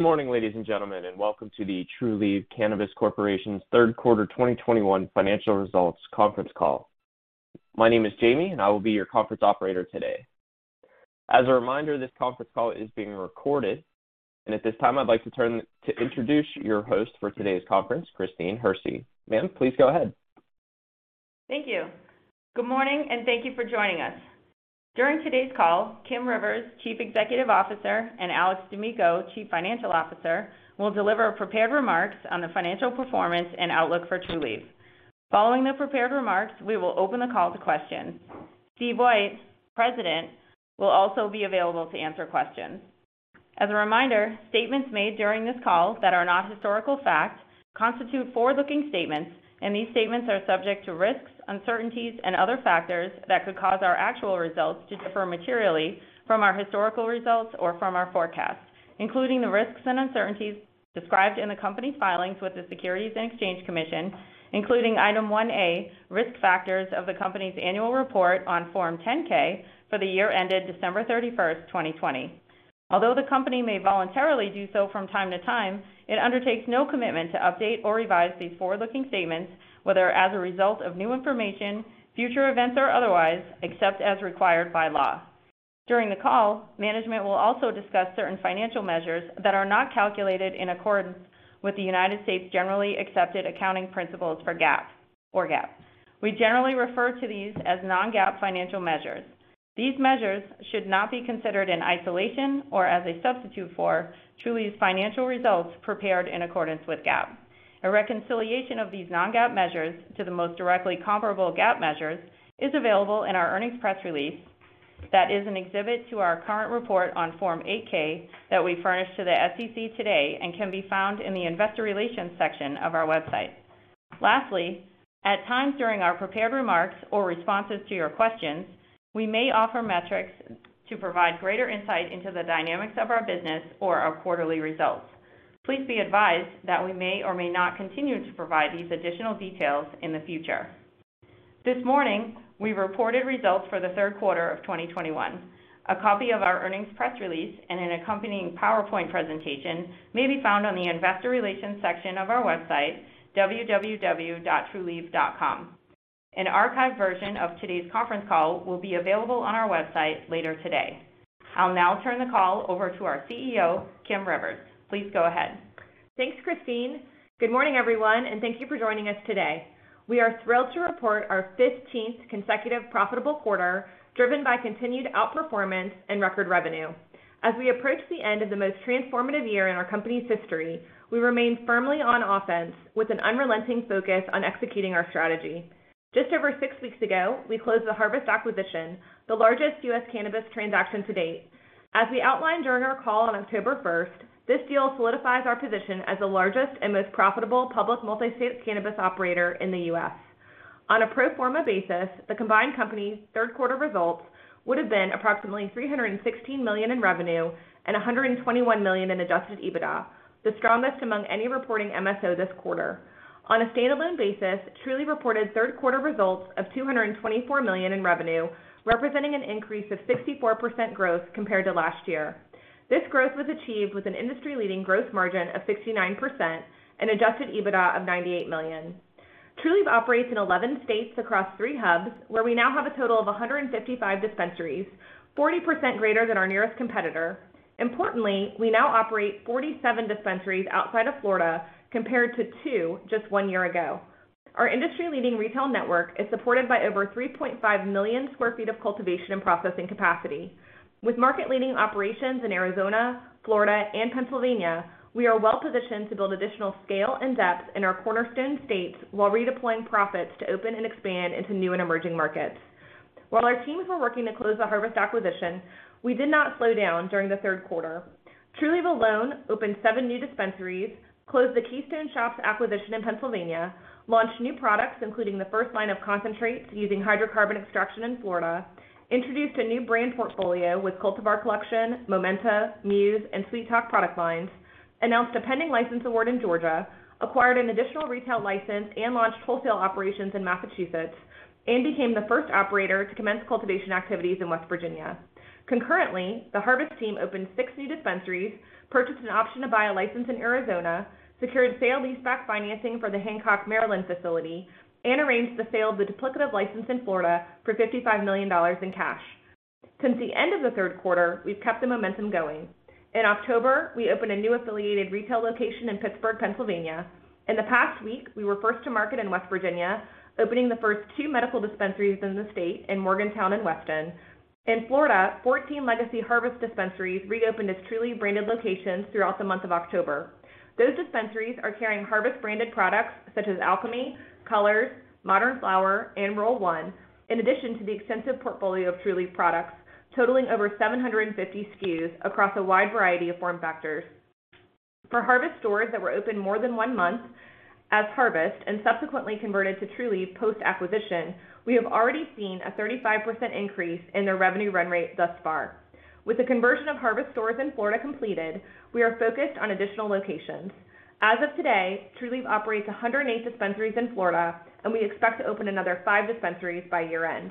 Good morning, ladies and gentlemen, and welcome to the Trulieve Cannabis Corp.'s third quarter 2021 financial results conference call. My name is Jamie, and I will be your conference operator today. As a reminder, this conference call is being recorded. At this time, I'd like to introduce your host for today's conference, Christine Hersey. Ma'am, please go ahead. Thank you. Good morning, and thank you for joining us. During today's call, Kim Rivers, Chief Executive Officer, and Alex D'Amico, Chief Financial Officer, will deliver prepared remarks on the financial performance and outlook for Trulieve. Following the prepared remarks, we will open the call to questions. Steve White, President, will also be available to answer questions. As a reminder, statements made during this call that are not historical facts constitute forward-looking statements, and these statements are subject to risks, uncertainties, and other factors that could cause our actual results to differ materially from our historical results or from our forecasts, including the risks and uncertainties described in the company's filings with the Securities and Exchange Commission, including Item 1A, Risk Factors of the company's annual report on Form 10-K for the year ended December 31, 2020. Although the company may voluntarily do so from time to time, it undertakes no commitment to update or revise these forward-looking statements, whether as a result of new information, future events, or otherwise, except as required by law. During the call, management will also discuss certain financial measures that are not calculated in accordance with the United States generally accepted accounting principles, or GAAP. We generally refer to these as non-GAAP financial measures. These measures should not be considered in isolation or as a substitute for Trulieve's financial results prepared in accordance with GAAP. A reconciliation of these non-GAAP measures to the most directly comparable GAAP measures is available in our earnings press release that is an exhibit to our current report on Form 8-K that we furnished to the SEC today and can be found in the Investor Relations section of our website. Lastly, at times during our prepared remarks or responses to your questions, we may offer metrics to provide greater insight into the dynamics of our business or our quarterly results. Please be advised that we may or may not continue to provide these additional details in the future. This morning, we reported results for the third quarter of 2021. A copy of our earnings press release and an accompanying PowerPoint presentation may be found on the Investor Relations section of our website, www.trulieve.com. An archived version of today's conference call will be available on our website later today. I'll now turn the call over to our CEO, Kim Rivers. Please go ahead. Thanks, Christine. Good morning, everyone, and thank you for joining us today. We are thrilled to report our fifteenth consecutive profitable quarter, driven by continued outperformance and record revenue. As we approach the end of the most transformative year in our company's history, we remain firmly on offense with an unrelenting focus on executing our strategy. Just over 6 weeks ago, we closed the Harvest acquisition, the largest U.S. cannabis transaction to date. As we outlined during our call on October first, this deal solidifies our position as the largest and most profitable public multi-state cannabis operator in the U.S. On a pro forma basis, the combined company's third quarter results would have been approximately $316 million in revenue and $121 million in adjusted EBITDA, the strongest among any reporting MSO this quarter. On a standalone basis, Trulieve reported third quarter results of $224 million in revenue, representing an increase of 64% growth compared to last year. This growth was achieved with an industry-leading gross margin of 69% and Adjusted EBITDA of $98 million. Trulieve operates in 11 states across three hubs, where we now have a total of 155 dispensaries, 40% greater than our nearest competitor. Importantly, we now operate 47 dispensaries outside of Florida, compared to two just one year ago. Our industry-leading retail network is supported by over 3.5 million sq ft of cultivation and processing capacity. With market-leading operations in Arizona, Florida, and Pennsylvania, we are well-positioned to build additional scale and depth in our cornerstone states while redeploying profits to open and expand into new and emerging markets. While our teams were working to close the Harvest acquisition, we did not slow down during the third quarter. Trulieve alone opened 7 new dispensaries, closed the Keystone Shops acquisition in Pennsylvania, launched new products, including the first line of concentrates using hydrocarbon extraction in Florida, introduced a new brand portfolio with Cultivar Collection, Momenta, Muse, and Sweet Talk product lines, announced a pending license award in Georgia, acquired an additional retail license, and launched wholesale operations in Massachusetts, and became the first operator to commence cultivation activities in West Virginia. Concurrently, the Harvest team opened 6 new dispensaries, purchased an option to buy a license in Arizona, secured sale-leaseback financing for the Hancock, Maryland facility, and arranged the sale of the duplicative license in Florida for $55 million in cash. Since the end of the third quarter, we've kept the momentum going. In October, we opened a new affiliated retail location in Pittsburgh, Pennsylvania. In the past week, we were first to market in West Virginia, opening the first two medical dispensaries in the state in Morgantown and Weston. In Florida, 14 legacy Harvest dispensaries reopened as Trulieve-branded locations throughout the month of October. Those dispensaries are carrying Harvest-branded products such as Alchemy, Co2lors, Modern Flower, and Roll One, in addition to the extensive portfolio of Trulieve products, totaling over 750 SKUs across a wide variety of form factors. For Harvest stores that were open more than one month as Harvest and subsequently converted to Trulieve post-acquisition, we have already seen a 35% increase in their revenue run rate thus far. With the conversion of Harvest stores in Florida completed, we are focused on additional locations. As of today, Trulieve operates 108 dispensaries in Florida, and we expect to open another 5 dispensaries by year-end.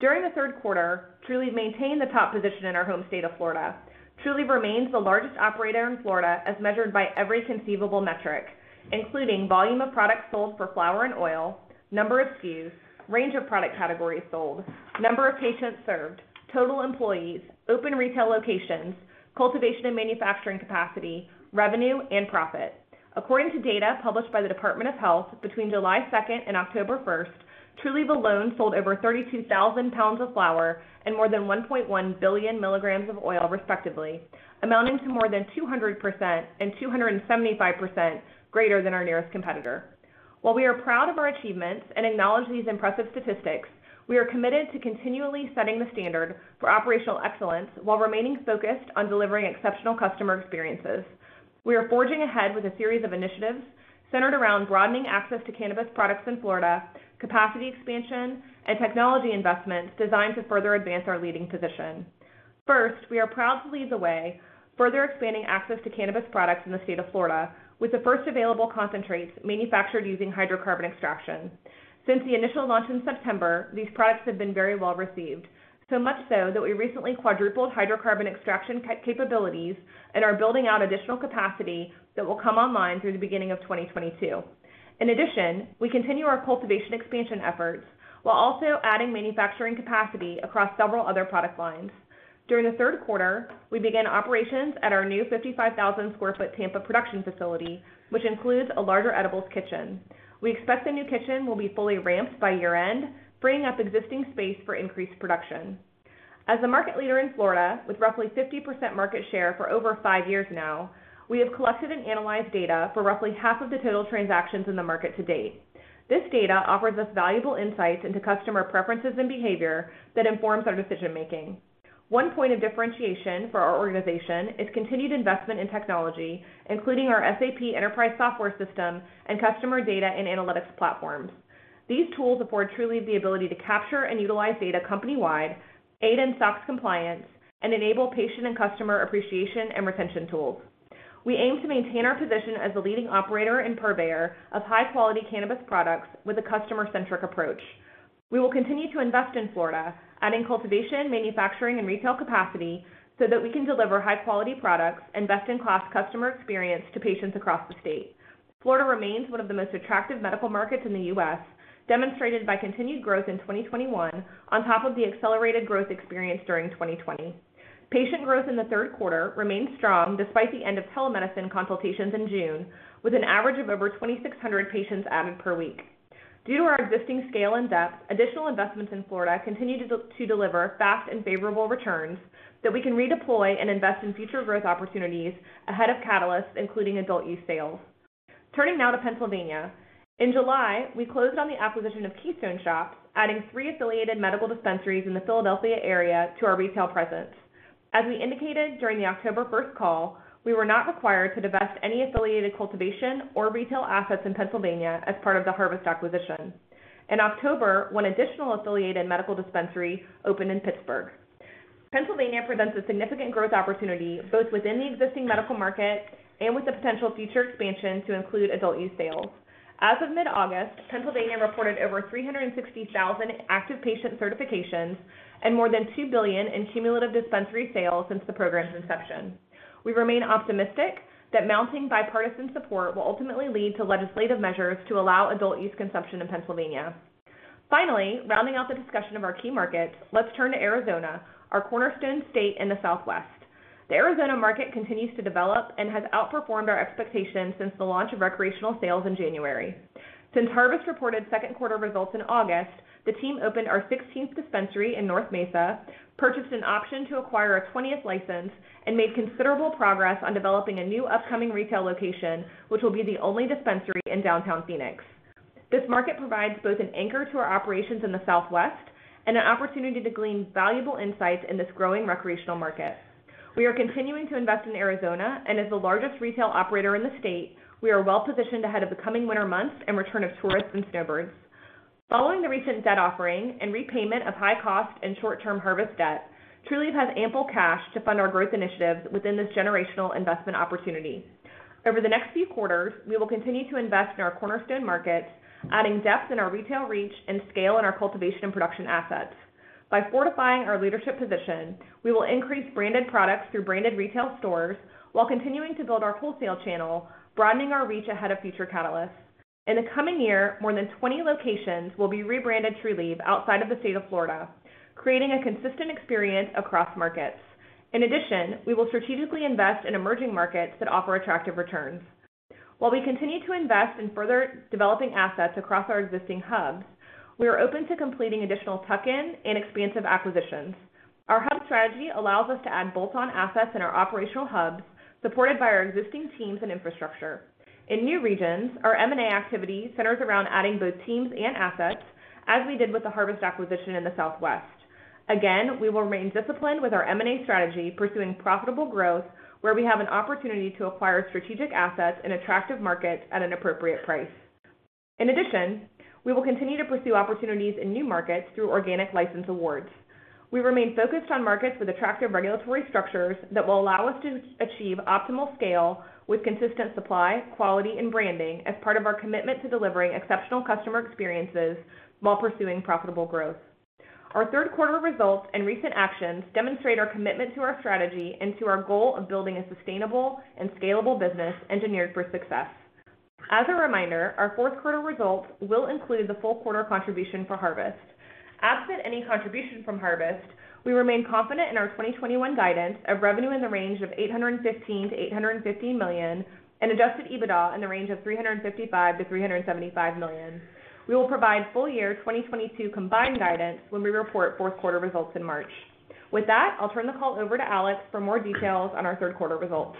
During the third quarter, Trulieve maintained the top position in our home state of Florida. Trulieve remains the largest operator in Florida as measured by every conceivable metric, including volume of product sold for flower and oil, number of SKUs, range of product categories sold, number of patients served, total employees, open retail locations, cultivation and manufacturing capacity, revenue and profit. According to data published by the Department of Health, between July 2 and October 1, Trulieve alone sold over 32,000 pounds of flower and more than 1.1 billion milligrams of oil respectively, amounting to more than 200% and 275% greater than our nearest competitor. While we are proud of our achievements and acknowledge these impressive statistics, we are committed to continually setting the standard for operational excellence while remaining focused on delivering exceptional customer experiences. We are forging ahead with a series of initiatives centered around broadening access to cannabis products in Florida, capacity expansion and technology investments designed to further advance our leading position. First, we are proud to lead the way, further expanding access to cannabis products in the state of Florida with the first available concentrates manufactured using hydrocarbon extraction. Since the initial launch in September, these products have been very well received, so much so that we recently quadrupled hydrocarbon extraction capabilities and are building out additional capacity that will come online through the beginning of 2022. In addition, we continue our cultivation expansion efforts while also adding manufacturing capacity across several other product lines. During the third quarter, we began operations at our new 55,000 sq ft Tampa production facility, which includes a larger edibles kitchen. We expect the new kitchen will be fully ramped by year-end, freeing up existing space for increased production. As the market leader in Florida with roughly 50% market share for over five years now, we have collected and analyzed data for roughly half of the total transactions in the market to date. This data offers us valuable insights into customer preferences and behavior that informs our decision making. One point of differentiation for our organization is continued investment in technology, including our SAP enterprise software system and customer data and analytics platforms. These tools afford Trulieve the ability to capture and utilize data company-wide, aid in SOX compliance, and enable patient and customer appreciation and retention tools. We aim to maintain our position as the leading operator and purveyor of high-quality cannabis products with a customer-centric approach. We will continue to invest in Florida, adding cultivation, manufacturing and retail capacity so that we can deliver high-quality products and best-in-class customer experience to patients across the state. Florida remains one of the most attractive medical markets in the U.S., demonstrated by continued growth in 2021 on top of the accelerated growth experienced during 2020. Patient growth in the third quarter remained strong despite the end of telemedicine consultations in June, with an average of over 2,600 patients added per week. Due to our existing scale and depth, additional investments in Florida continue to deliver fast and favorable returns that we can redeploy and invest in future growth opportunities ahead of catalysts, including adult-use sales. Turning now to Pennsylvania. In July, we closed on the acquisition of Keystone Shops, adding three affiliated medical dispensaries in the Philadelphia area to our retail presence. As we indicated during the October first call, we were not required to divest any affiliated cultivation or retail assets in Pennsylvania as part of the Harvest acquisition. In October, one additional affiliated medical dispensary opened in Pittsburgh. Pennsylvania presents a significant growth opportunity both within the existing medical market and with the potential future expansion to include adult-use sales. As of mid-August, Pennsylvania reported over 360,000 active patient certifications and more than $2 billion in cumulative dispensary sales since the program's inception. We remain optimistic that mounting bipartisan support will ultimately lead to legislative measures to allow adult-use consumption in Pennsylvania. Finally, rounding out the discussion of our key markets, let's turn to Arizona, our cornerstone state in the Southwest. The Arizona market continues to develop and has outperformed our expectations since the launch of recreational sales in January. Since Harvest reported second quarter results in August, the team opened our sixteenth dispensary in North Mesa, purchased an option to acquire our twentieth license, and made considerable progress on developing a new upcoming retail location, which will be the only dispensary in downtown Phoenix. This market provides both an anchor to our operations in the Southwest and an opportunity to glean valuable insights in this growing recreational market. We are continuing to invest in Arizona, and as the largest retail operator in the state, we are well positioned ahead of the coming winter months and return of tourists and snowbirds. Following the recent debt offering and repayment of high cost and short-term Harvest debt, Trulieve has ample cash to fund our growth initiatives within this generational investment opportunity. Over the next few quarters, we will continue to invest in our cornerstone markets, adding depth in our retail reach and scale in our cultivation and production assets. By fortifying our leadership position, we will increase branded products through branded retail stores while continuing to build our wholesale channel, broadening our reach ahead of future catalysts. In the coming year, more than 20 locations will be rebranded Trulieve outside of the state of Florida, creating a consistent experience across markets. In addition, we will strategically invest in emerging markets that offer attractive returns. While we continue to invest in further developing assets across our existing hubs, we are open to completing additional tuck-in and expansive acquisitions. Our hub strategy allows us to add bolt-on assets in our operational hubs, supported by our existing teams and infrastructure. In new regions, our M&A activity centers around adding both teams and assets, as we did with the Harvest acquisition in the Southwest. Again, we will remain disciplined with our M&A strategy, pursuing profitable growth where we have an opportunity to acquire strategic assets in attractive markets at an appropriate price. In addition, we will continue to pursue opportunities in new markets through organic license awards. We remain focused on markets with attractive regulatory structures that will allow us to achieve optimal scale with consistent supply, quality and branding as part of our commitment to delivering exceptional customer experiences while pursuing profitable growth. Our third quarter results and recent actions demonstrate our commitment to our strategy and to our goal of building a sustainable and scalable business engineered for success. As a reminder, our fourth quarter results will include the full quarter contribution for Harvest. Absent any contribution from Harvest, we remain confident in our 2021 guidance of revenue in the range of $815 million-$850 million and Adjusted EBITDA in the range of $355 million-$375 million. We will provide full year 2022 combined guidance when we report fourth quarter results in March. With that, I'll turn the call over to Alex for more details on our third quarter results.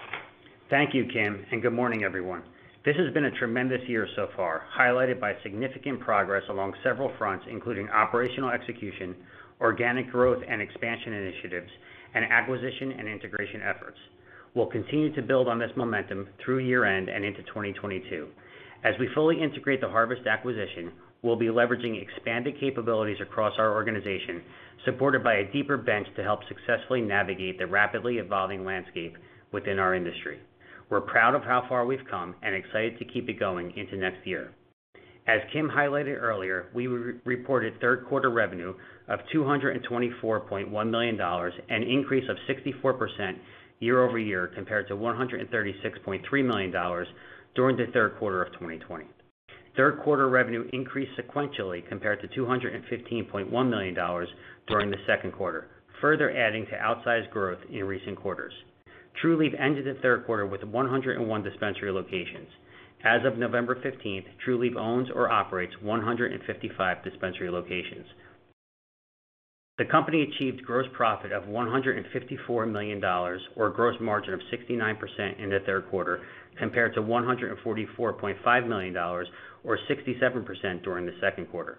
Thank you, Kim, and good morning, everyone. This has been a tremendous year so far, highlighted by significant progress along several fronts, including operational execution, organic growth and expansion initiatives, and acquisition and integration efforts. We'll continue to build on this momentum through year-end and into 2022. As we fully integrate the Harvest acquisition, we'll be leveraging expanded capabilities across our organization, supported by a deeper bench to help successfully navigate the rapidly evolving landscape within our industry. We're proud of how far we've come and excited to keep it going into next year. As Kim highlighted earlier, we reported third quarter revenue of $224.1 million, an increase of 64% year-over-year compared to $136.3 million during the third quarter of 2020. Third quarter revenue increased sequentially compared to $215.1 million during the second quarter, further adding to outsized growth in recent quarters. Trulieve ended the third quarter with 101 dispensary locations. As of November 15, Trulieve owns or operates 155 dispensary locations. The company achieved gross profit of $154 million or gross margin of 69% in the third quarter, compared to $144.5 million, or 67% during the second quarter.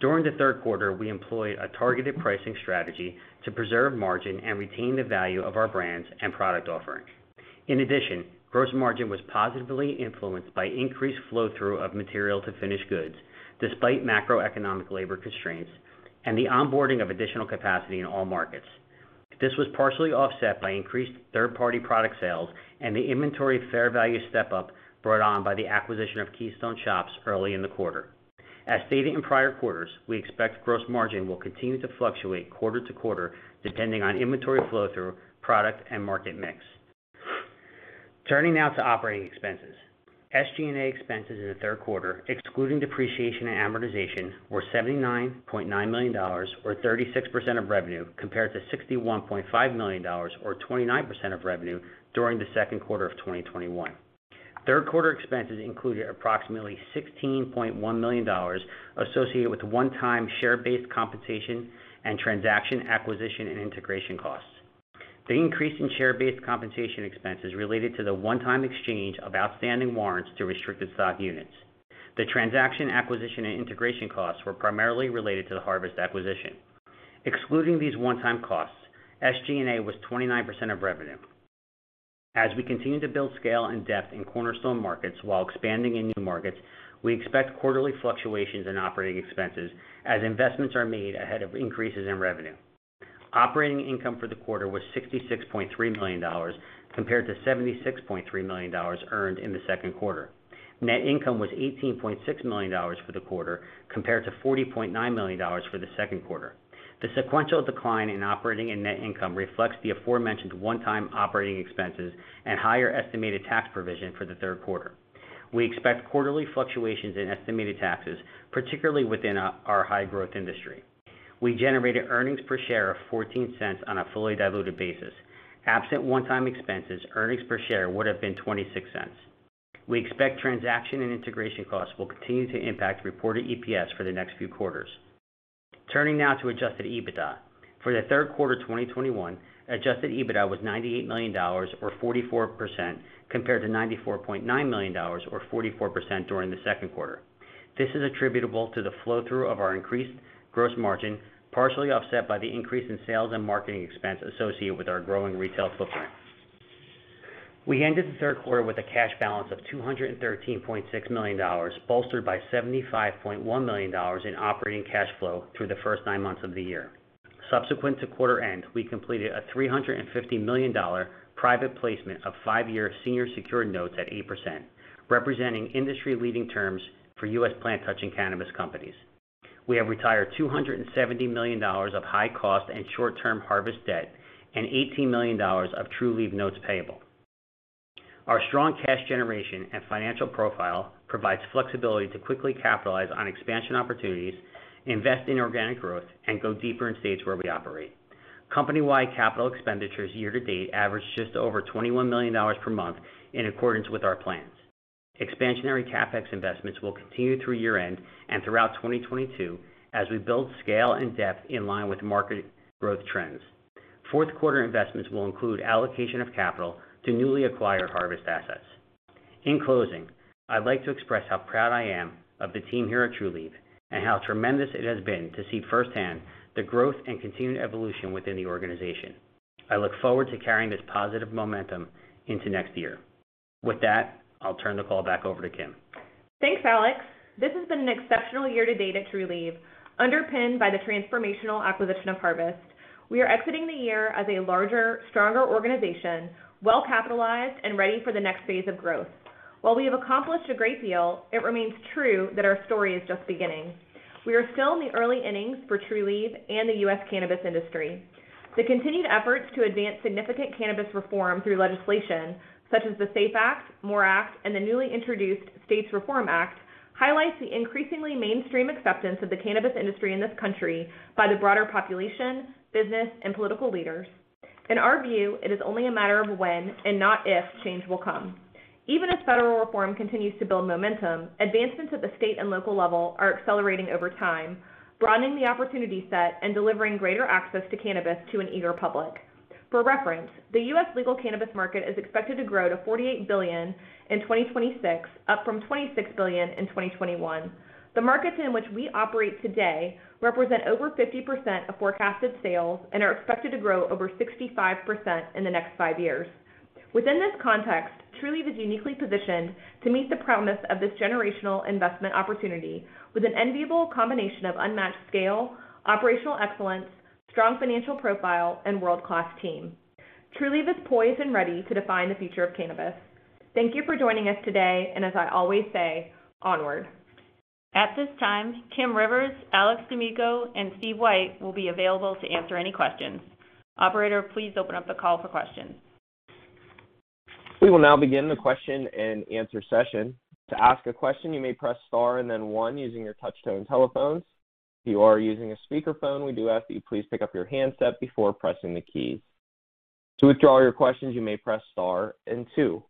During the third quarter, we employed a targeted pricing strategy to preserve margin and retain the value of our brands and product offerings. In addition, gross margin was positively influenced by increased flow-through of material to finished goods despite macroeconomic labor constraints and the onboarding of additional capacity in all markets. This was partially offset by increased third-party product sales and the inventory fair value step-up brought on by the acquisition of Keystone Shops early in the quarter. As stated in prior quarters, we expect gross margin will continue to fluctuate quarter to quarter, depending on inventory flow-through, product, and market mix. Turning now to operating expenses. SG&A expenses in the third quarter, excluding depreciation and amortization, were $79.9 million or 36% of revenue, compared to $61.5 million or 29% of revenue during the second quarter of 2021. Third quarter expenses included approximately $16.1 million associated with one-time share-based compensation and transaction acquisition and integration costs. The increase in share-based compensation expenses related to the one-time exchange of outstanding warrants to restricted stock units. The transaction, acquisition, and integration costs were primarily related to the Harvest acquisition. Excluding these one-time costs, SG&A was 29% of revenue. As we continue to build scale and depth in cornerstone markets while expanding in new markets, we expect quarterly fluctuations in operating expenses as investments are made ahead of increases in revenue. Operating income for the quarter was $66.3 million, compared to $76.3 million earned in the second quarter. Net income was $18.6 million for the quarter, compared to $40.9 million for the second quarter. The sequential decline in operating and net income reflects the aforementioned one-time operating expenses and higher estimated tax provision for the third quarter. We expect quarterly fluctuations in estimated taxes, particularly within our high-growth industry. We generated earnings per share of $0.14 on a fully diluted basis. Absent one-time expenses, earnings per share would have been $0.26. We expect transaction and integration costs will continue to impact reported EPS for the next few quarters. Turning now to adjusted EBITDA. For the third quarter 2021, adjusted EBITDA was $98 million or 44% compared to $94.9 million or 44% during the second quarter. This is attributable to the flow-through of our increased gross margin, partially offset by the increase in sales and marketing expense associated with our growing retail footprint. We ended the third quarter with a cash balance of $213.6 million, bolstered by $75.1 million in operating cash flow through the first nine months of the year. Subsequent to quarter end, we completed a $350 million private placement of 5-year senior secured notes at 8%, representing industry-leading terms for U.S. plant-touching cannabis companies. We have retired $270 million of high-cost and short-term Harvest debt and $18 million of Trulieve notes payable. Our strong cash generation and financial profile provides flexibility to quickly capitalize on expansion opportunities, invest in organic growth, and go deeper in states where we operate. Company-wide capital expenditures year to date averaged just over $21 million per month in accordance with our plans. Expansionary CapEx investments will continue through year-end and throughout 2022 as we build scale and depth in line with market growth trends. Fourth quarter investments will include allocation of capital to newly acquired Harvest assets. In closing, I'd like to express how proud I am of the team here at Trulieve, and how tremendous it has been to see firsthand the growth and continued evolution within the organization. I look forward to carrying this positive momentum into next year. With that, I'll turn the call back over to Kim. Thanks, Alex. This has been an exceptional year to date at Trulieve, underpinned by the transformational acquisition of Harvest. We are exiting the year as a larger, stronger organization, well-capitalized and ready for the next phase of growth. While we have accomplished a great deal, it remains true that our story is just beginning. We are still in the early innings for Trulieve and the U.S. cannabis industry. The continued efforts to advance significant cannabis reform through legislation such as the SAFE Act, MORE Act, and the newly introduced States Reform Act highlights the increasingly mainstream acceptance of the cannabis industry in this country by the broader population, business and political leaders. In our view, it is only a matter of when and not if change will come. Even as federal reform continues to build momentum, advancements at the state and local level are accelerating over time, broadening the opportunity set and delivering greater access to cannabis to an eager public. For reference, the U.S. legal cannabis market is expected to grow to $48 billion in 2026, up from $26 billion in 2021. The markets in which we operate today represent over 50% of forecasted sales and are expected to grow over 65% in the next 5 years. Within this context, Trulieve is uniquely positioned to meet the promise of this generational investment opportunity with an enviable combination of unmatched scale, operational excellence, strong financial profile and world-class team. Trulieve is poised and ready to define the future of cannabis. Thank you for joining us today, and as I always say, onward. At this time, Kim Rivers, Alex D'Amico, and Steve White will be available to answer any questions. Operator, please open up the call for questions. We will now begin the question and answer session. To ask a question, you may press star and then one using your touch-tone telephones. If you are using a speakerphone, we do ask that you please pick up your handset before pressing the keys. To withdraw your questions, you may press star and two.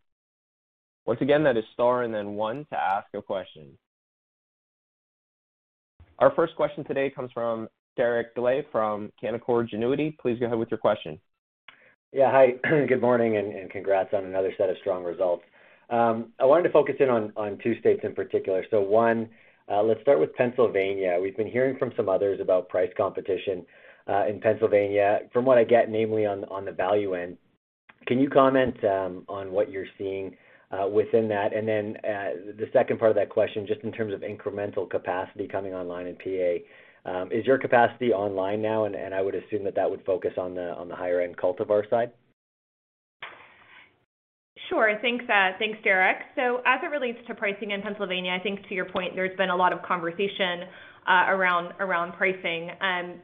Once again, that is star and then one to ask a question. Our first question today comes from Derek Dley from Canaccord Genuity. Please go ahead with your question. Yeah. Hi. Good morning, and congrats on another set of strong results. I wanted to focus in on two states in particular. One, let's start with Pennsylvania. We've been hearing from some others about price competition in Pennsylvania, from what I get, namely on the value end. Can you comment on what you're seeing within that? The second part of that question, just in terms of incremental capacity coming online in PA, is your capacity online now? I would assume that would focus on the higher end cultivar side. Thanks, Derek. As it relates to pricing in Pennsylvania, I think to your point, there's been a lot of conversation around pricing.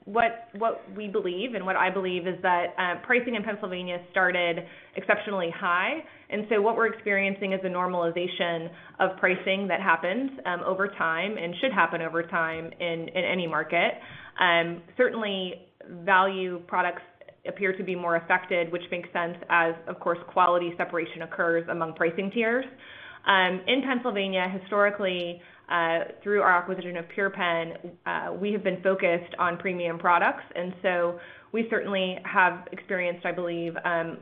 What we believe and what I believe is that pricing in Pennsylvania started exceptionally high, and what we're experiencing is a normalization of pricing that happens over time and should happen over time in any market. Certainly value products appear to be more affected, which makes sense as, of course, quality separation occurs among pricing tiers. In Pennsylvania, historically, through our acquisition of PurePenn, we have been focused on premium products, and so we certainly have experienced, I believe,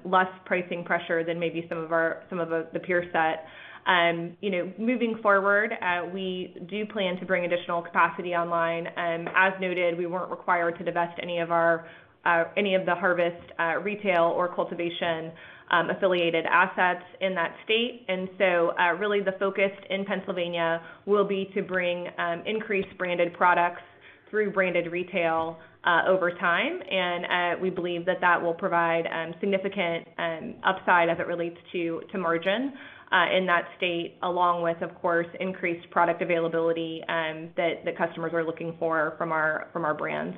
less pricing pressure than maybe some of the peer set. You know, moving forward, we do plan to bring additional capacity online. As noted, we weren't required to divest any of the Harvest retail or cultivation affiliated assets in that state. Really the focus in Pennsylvania will be to bring increased branded products through branded retail over time. We believe that will provide significant upside as it relates to margin in that state, along with, of course, increased product availability that the customers are looking for from our brands.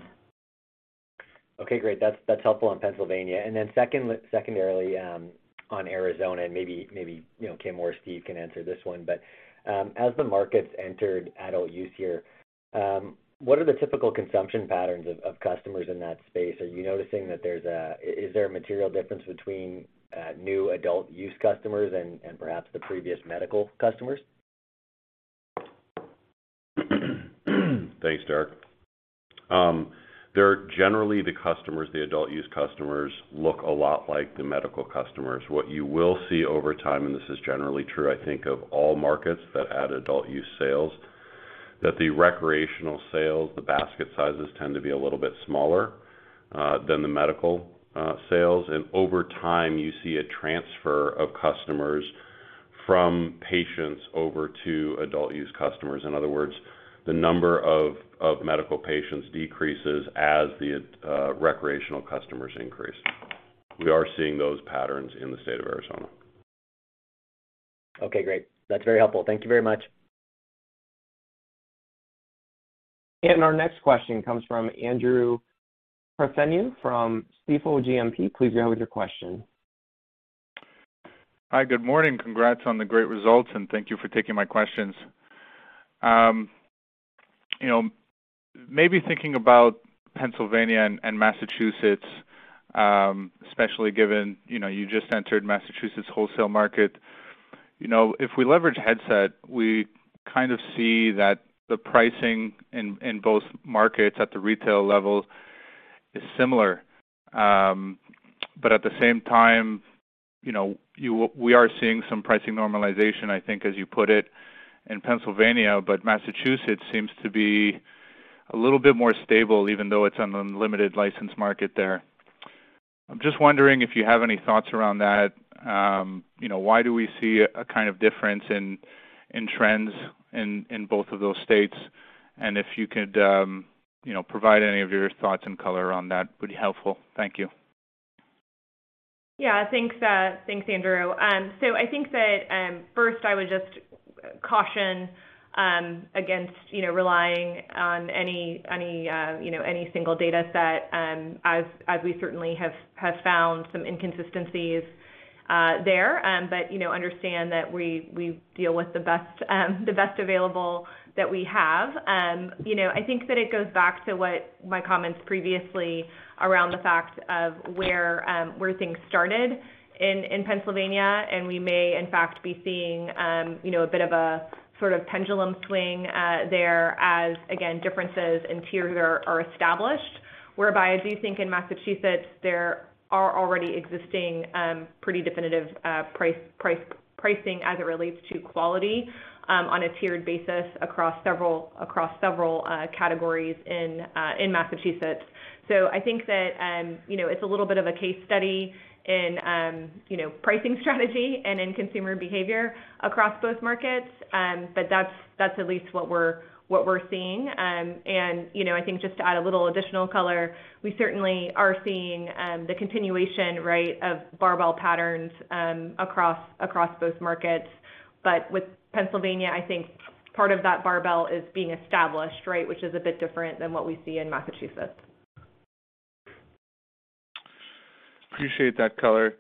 Okay, great. That's helpful on Pennsylvania. Secondarily, on Arizona, and maybe you know, Kim or Steve can answer this one, but as the markets entered adult use here, what are the typical consumption patterns of customers in that space? Are you noticing that there's a material difference between new adult use customers and perhaps the previous medical customers? Thanks, Derek. Generally the customers, the adult use customers look a lot like the medical customers. What you will see over time, and this is generally true, I think, of all markets that add adult use sales, that the recreational sales, the basket sizes tend to be a little bit smaller than the medical sales. Over time, you see a transfer of customers from patients over to adult use customers. In other words, the number of medical patients decreases as the recreational customers increase. We are seeing those patterns in the state of Arizona. Okay, great. That's very helpful. Thank you very much. Our next question comes from Andrew Partheniou from Stifel GMP. Please go ahead with your question. Hi, good morning. Congrats on the great results, and thank you for taking my questions. You know, maybe thinking about Pennsylvania and Massachusetts, especially given, you know, you just entered Massachusetts wholesale market. You know, if we leverage Headset, we kind of see that the pricing in both markets at the retail level is similar. But at the same time, you know, we are seeing some pricing normalization, I think, as you put it in Pennsylvania, but Massachusetts seems to be a little bit more stable, even though it's on the limited license market there. I'm just wondering if you have any thoughts around that. You know, why do we see a kind of difference in trends in both of those states? And if you could, you know, provide any of your thoughts and color on that, would be helpful. Thank you. Yeah. Thanks, Andrew. So I think that first I would just caution against you know relying on any single dataset as we certainly have found some inconsistencies there. But you know understand that we deal with the best available that we have. You know I think that it goes back to what my comments previously around the fact of where things started in Pennsylvania and we may in fact be seeing you know a bit of a sort of pendulum swing there as again differences in tiers are established. I do think in Massachusetts there are already existing pretty definitive pricing as it relates to quality, on a tiered basis across several categories in Massachusetts. I think that, you know, it's a little bit of a case study in, you know, pricing strategy and in consumer behavior across both markets. That's at least what we're seeing. You know, I think just to add a little additional color, we certainly are seeing the continuation, right, of barbell patterns across both markets. With Pennsylvania, I think part of that barbell is being established, right, which is a bit different than what we see in Massachusetts. Appreciate that color.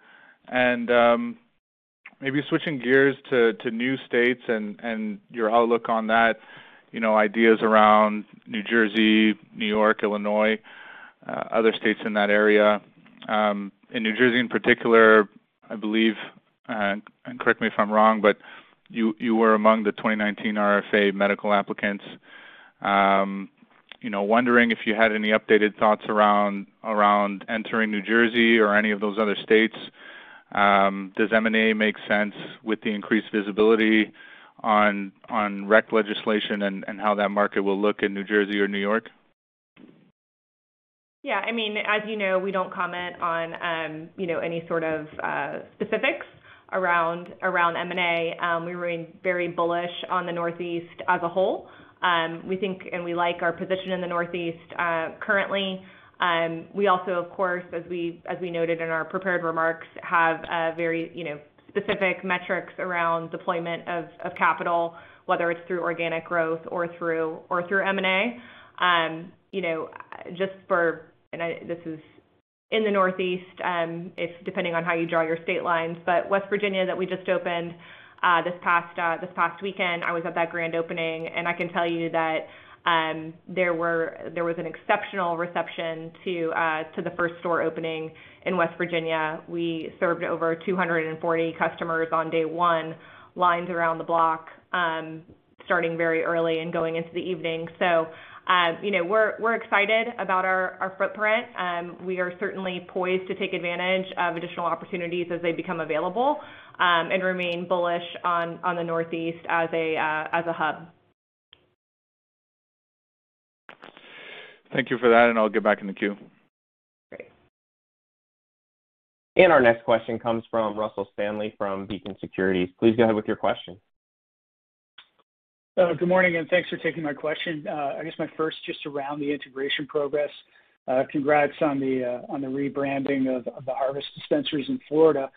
Maybe switching gears to new states and your outlook on that, you know, ideas around New Jersey, New York, Illinois, other states in that area. In New Jersey in particular, I believe and correct me if I'm wrong, but you were among the 2019 RFA medical applicants. You know, wondering if you had any updated thoughts around entering New Jersey or any of those other states. Does M&A make sense with the increased visibility on rec legislation and how that market will look in New Jersey or New York? Yeah, I mean, as you know, we don't comment on, you know, any sort of specifics around M&A. We remain very bullish on the Northeast as a whole. We think and we like our position in the Northeast currently. We also, of course, as we noted in our prepared remarks, have very, you know, specific metrics around deployment of capital, whether it's through organic growth or through M&A. You know, this is in the Northeast. It's depending on how you draw your state lines, but West Virginia that we just opened this past weekend, I was at that grand opening, and I can tell you that there was an exceptional reception to the first store opening in West Virginia. We served over 240 customers on day one, lines around the block, starting very early and going into the evening. You know, we're excited about our footprint. We are certainly poised to take advantage of additional opportunities as they become available, and remain bullish on the Northeast as a hub. Thank you for that, and I'll get back in the queue. Great. Our next question comes from Russell Stanley from Beacon Securities. Please go ahead with your question. Good morning, and thanks for taking my question. I guess my first question is just around the integration progress. Congrats on the rebranding of the Harvest Dispensaries in Florida.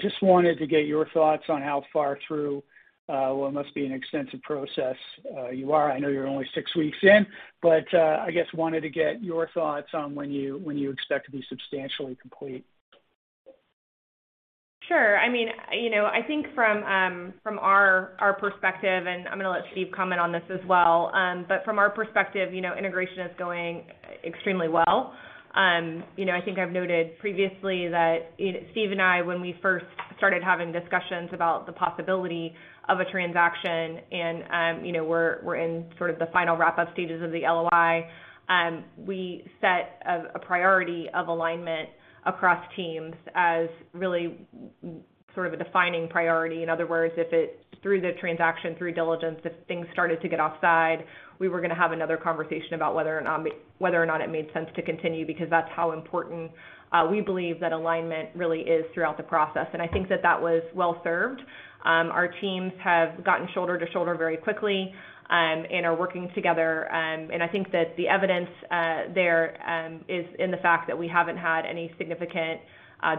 Just wanted to get your thoughts on how far through what must be an extensive process you are. I know you're only six weeks in, but I guess I wanted to get your thoughts on when you expect to be substantially complete. Sure. I mean, you know, I think from our perspective, and I'm gonna let Steve comment on this as well. But from our perspective, you know, I think I've noted previously that Steve and I, when we first started having discussions about the possibility of a transaction and, you know, we're in sort of the final wrap up stages of the LOI, we set a priority of alignment across teams as really sort of a defining priority. In other words, through the transaction, through diligence, if things started to get offside, we were gonna have another conversation about whether or not it made sense to continue because that's how important we believe that alignment really is throughout the process. I think that was well served. Our teams have gotten shoulder to shoulder very quickly and are working together. I think that the evidence there is in the fact that we haven't had any significant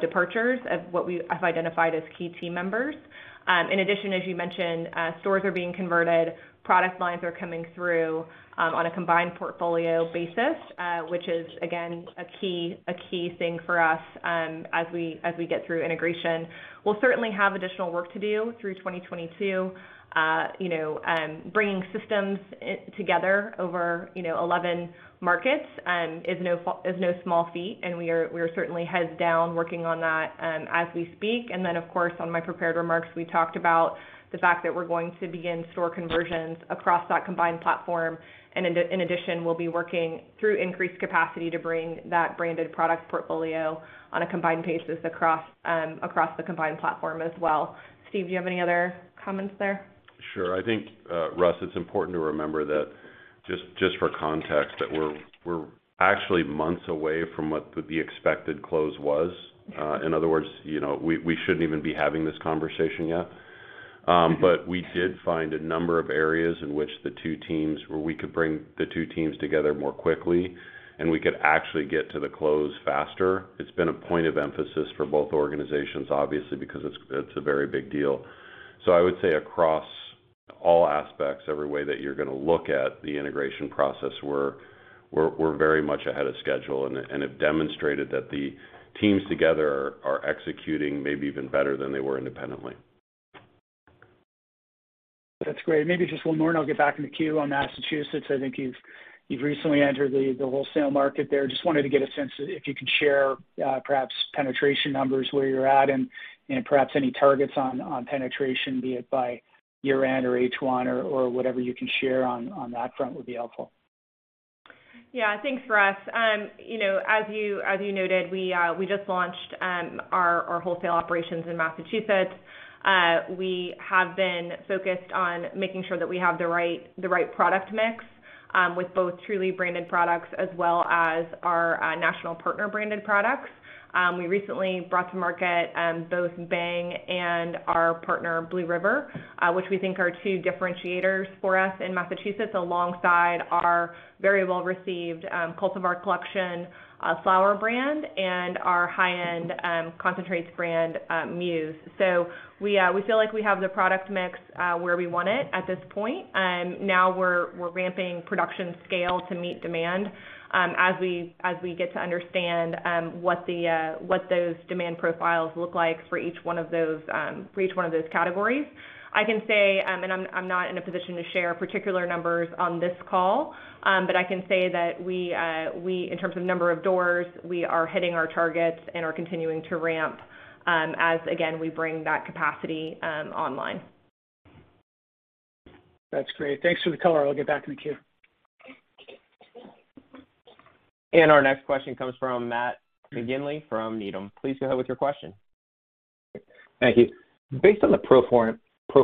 departures of what we have identified as key team members. In addition, as you mentioned, stores are being converted, product lines are coming through on a combined portfolio basis, which is again a key thing for us as we get through integration. We'll certainly have additional work to do through 2022, you know, bringing systems together over you know 11 markets is no small feat, and we are certainly heads down working on that as we speak. Of course, on my prepared remarks, we talked about the fact that we're going to begin store conversions across that combined platform. In addition, we'll be working through increased capacity to bring that branded product portfolio on a combined basis across the combined platform as well. Steve, do you have any other comments there? Sure. I think, Russ, it's important to remember that Just for context, that we're actually months away from what the expected close was. In other words, you know, we shouldn't even be having this conversation yet. We did find a number of areas in which the two teams, where we could bring the two teams together more quickly, and we could actually get to the close faster. It's been a point of emphasis for both organizations, obviously, because it's a very big deal. I would say across all aspects, every way that you're gonna look at the integration process, we're very much ahead of schedule and have demonstrated that the teams together are executing maybe even better than they were independently. That's great. Maybe just one more and I'll get back in the queue. On Massachusetts, I think you've recently entered the wholesale market there. Just wanted to get a sense if you could share perhaps penetration numbers, where you're at and perhaps any targets on penetration, be it by year-end or H1 or whatever you can share on that front would be helpful. Yeah. Thanks, Russ. You know, as you noted, we just launched our wholesale operations in Massachusetts. We have been focused on making sure that we have the right product mix with both Trulieve branded products as well as our national partner-branded products. We recently brought to market both Bhang and our partner Blue River, which we think are two differentiators for us in Massachusetts, alongside our very well-received Cultivar Collection flower brand and our high-end concentrates brand, Muse. We feel like we have the product mix where we want it at this point. Now we're ramping production scale to meet demand, as we get to understand what those demand profiles look like for each one of those categories. I can say, and I'm not in a position to share particular numbers on this call, but I can say that we, in terms of number of doors, we are hitting our targets and are continuing to ramp, as again, we bring that capacity online. That's great. Thanks for the color. I'll get back in the queue. Our next question comes from Matthew McGinley from Needham & Company. Please go ahead with your question. Thank you. Based on the pro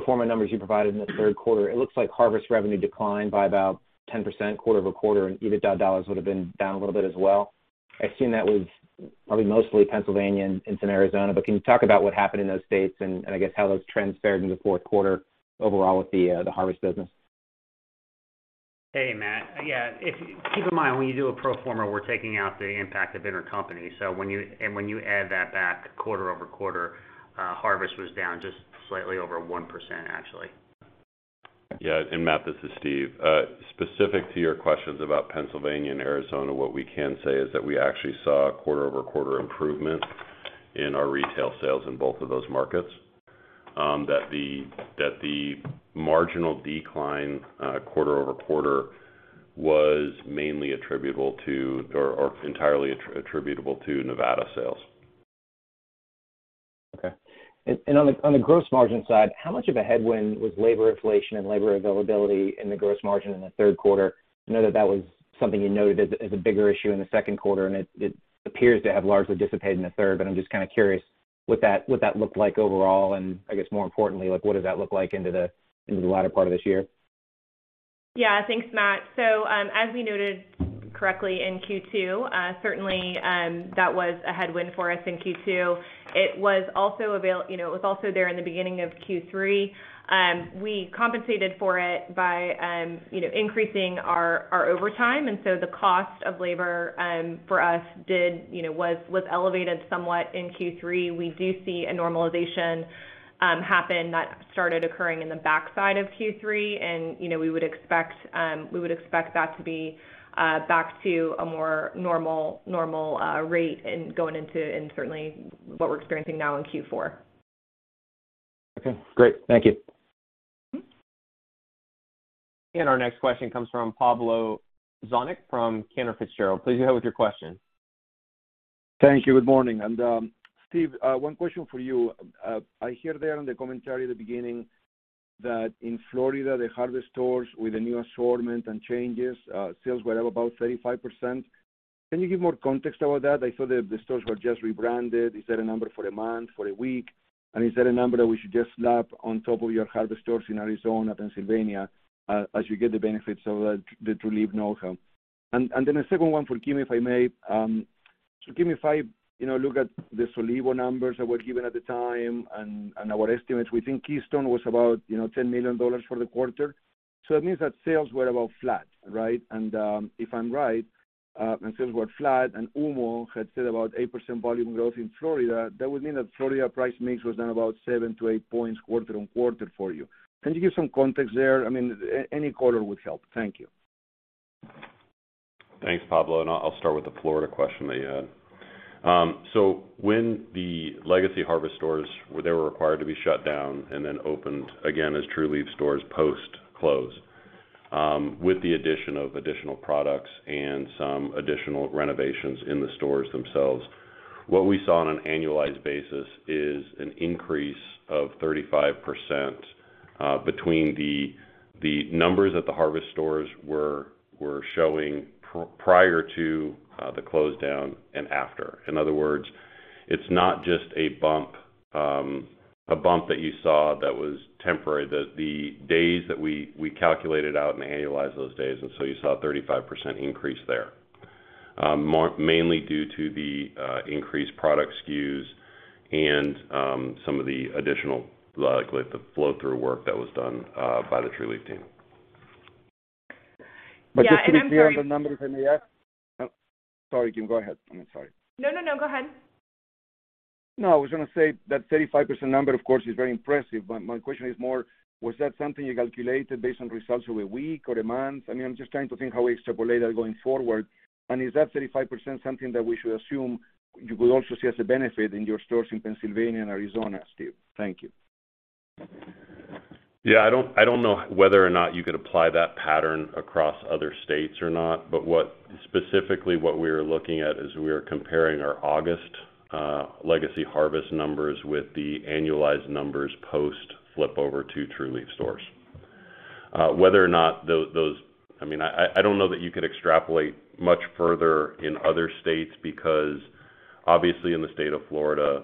forma numbers you provided in the third quarter, it looks like Harvest revenue declined by about 10% quarter-over-quarter, and EBITDA dollars would've been down a little bit as well. I assume that was probably mostly Pennsylvania and some Arizona, but can you talk about what happened in those states and I guess how those trends fared in the fourth quarter overall with the Harvest business? Hey, Matt. Yeah. Keep in mind when we do a pro forma, we're taking out the impact of intercompany. So when you add that back quarter-over-quarter, Harvest was down just slightly over 1%, actually. Matt, this is Steve. Specific to your questions about Pennsylvania and Arizona, what we can say is that we actually saw a quarter-over-quarter improvement in our retail sales in both of those markets, that the marginal decline quarter-over-quarter was mainly attributable to, or entirely attributable to Nevada sales. Okay. On the gross margin side, how much of a headwind was labor inflation and labor availability in the gross margin in the third quarter? I know that was something you noted as a bigger issue in the second quarter, and it appears to have largely dissipated in the third, but I'm just kind of curious what that looked like overall, and I guess more importantly, like what does that look like into the latter part of this year? Yeah. Thanks, Matt. As we noted correctly in Q2, certainly, that was a headwind for us in Q2. It was also, you know, there in the beginning of Q3. We compensated for it by, you know, increasing our overtime, and so the cost of labor for us, you know, was elevated somewhat in Q3. We do see a normalization happen that started occurring in the backside of Q3 and, you know, we would expect that to be back to a more normal rate in going into and certainly what we're experiencing now in Q4. Okay, great. Thank you. Our next question comes from Pablo Zuanic from Canaccord Genuity. Please go ahead with your question. Thank you. Good morning. Steve, one question for you. I hear there in the commentary at the beginning that in Florida, the Harvest stores with the new assortment and changes, sales were up about 35%. Can you give more context about that? I saw that the stores were just rebranded. Is that a number for a month, for a week? And is that a number that we should just slap on top of your Harvest stores in Arizona, Pennsylvania, as you get the benefits of the Trulieve know-how? And then a second one for Kim if I may. Kim, if I, you know, look at the Solevo numbers that were given at the time and our estimates, we think Keystone was about, you know, $10 million for the quarter. that means that sales were about flat, right? If I'm right, sales were flat and OMMU had said about 8% volume growth in Florida, that would mean that Florida price mix was down about 7-8 points quarter-over-quarter for you. Can you give some context there? I mean, any color would help. Thank you. Thanks, Pablo. I'll start with the Florida question that you had. When the legacy Harvest stores were required to be shut down and then opened again as Trulieve stores post-close, with the addition of additional products and some additional renovations in the stores themselves, what we saw on an annualized basis is an increase of 35%, between the numbers that the Harvest stores were showing prior to the close down and after. In other words, it's not just a bump, a bump that you saw that was temporary. The days that we calculated out and annualized those days, and so you saw a 35% increase there. Mainly due to the increased product SKUs and some of the additional, like the flow-through work that was done by the Trulieve team. Just to confirm the numbers, may I ask? Sorry, Kim, go ahead. I'm sorry. No, no. Go ahead. No, I was gonna say that 35% number of course is very impressive, but my question is more, was that something you calculated based on results of a week or a month? I mean, I'm just trying to think how we extrapolate that going forward. Is that 35% something that we should assume you will also see as a benefit in your stores in Pennsylvania and Arizona, Steve? Thank you. Yeah, I don't know whether or not you could apply that pattern across other states or not, but specifically what we're looking at is we are comparing our August legacy Harvest numbers with the annualized numbers post-flip over to Trulieve stores. Whether or not those. I mean, I don't know that you could extrapolate much further in other states because obviously in the state of Florida,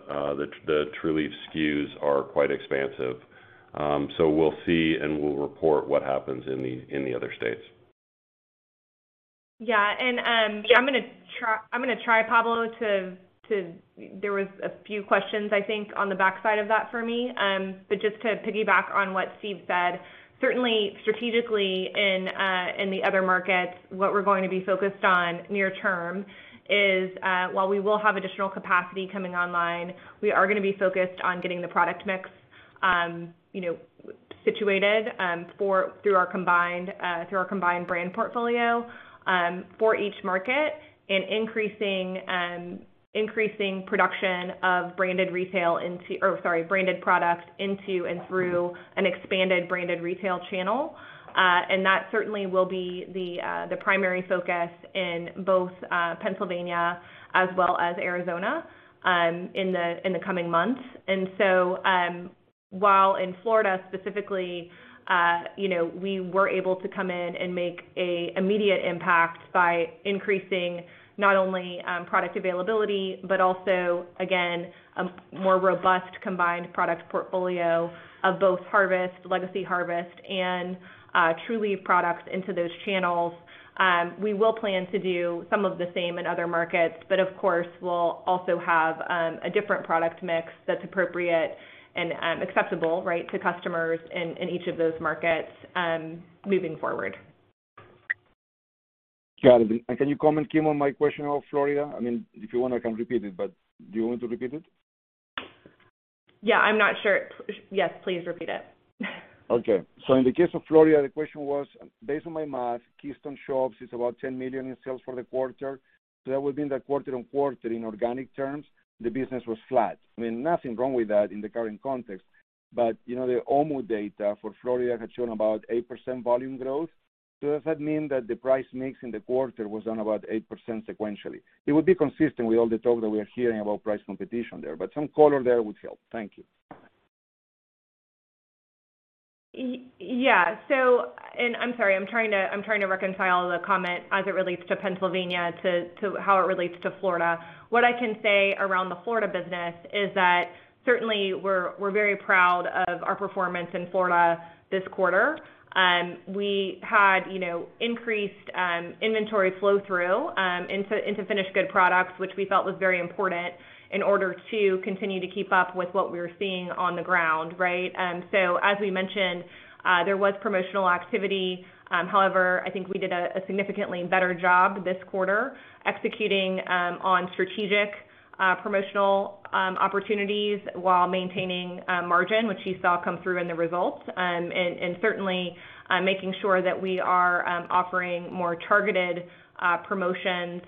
the Trulieve SKUs are quite expansive. So we'll see, and we'll report what happens in the other states. Yeah. I'm gonna try, Pablo. There was a few questions, I think, on the backside of that for me. But just to piggyback on what Steve said, certainly strategically in the other markets, what we're going to be focused on near term is, while we will have additional capacity coming online, we are gonna be focused on getting the product mix, you know, situated through our combined brand portfolio for each market and increasing production of branded product into and through an expanded branded retail channel. That certainly will be the primary focus in both Pennsylvania as well as Arizona in the coming months. While in Florida specifically, you know, we were able to come in and make an immediate impact by increasing not only product availability, but also, again, a more robust combined product portfolio of both Harvest, legacy Harvest, and Trulieve products into those channels. We will plan to do some of the same in other markets, but of course, we'll also have a different product mix that's appropriate and acceptable, right, to customers in each of those markets moving forward. Got it. Can you comment, Kim, on my question of Florida? I mean, if you want, I can repeat it, but do you want me to repeat it? Yeah, I'm not sure. Yes, please repeat it. Okay. In the case of Florida, the question was, based on my math, Keystone Shops is about $10 million in sales for the quarter. That would mean that quarter-on-quarter, in organic terms, the business was flat. I mean, nothing wrong with that in the current context, but, you know, the OMMU data for Florida had shown about 8% volume growth. Does that mean that the price mix in the quarter was down about 8% sequentially? It would be consistent with all the talk that we are hearing about price competition there, but some color there would help. Thank you. Yeah, I'm sorry, I'm trying to reconcile the comment as it relates to Pennsylvania to how it relates to Florida. What I can say around the Florida business is that certainly we're very proud of our performance in Florida this quarter. We had, you know, increased inventory flow through into finished good products, which we felt was very important in order to continue to keep up with what we were seeing on the ground, right? As we mentioned, there was promotional activity, however, I think we did a significantly better job this quarter executing on strategic promotional opportunities while maintaining margin, which you saw come through in the results. Certainly making sure that we are offering more targeted promotions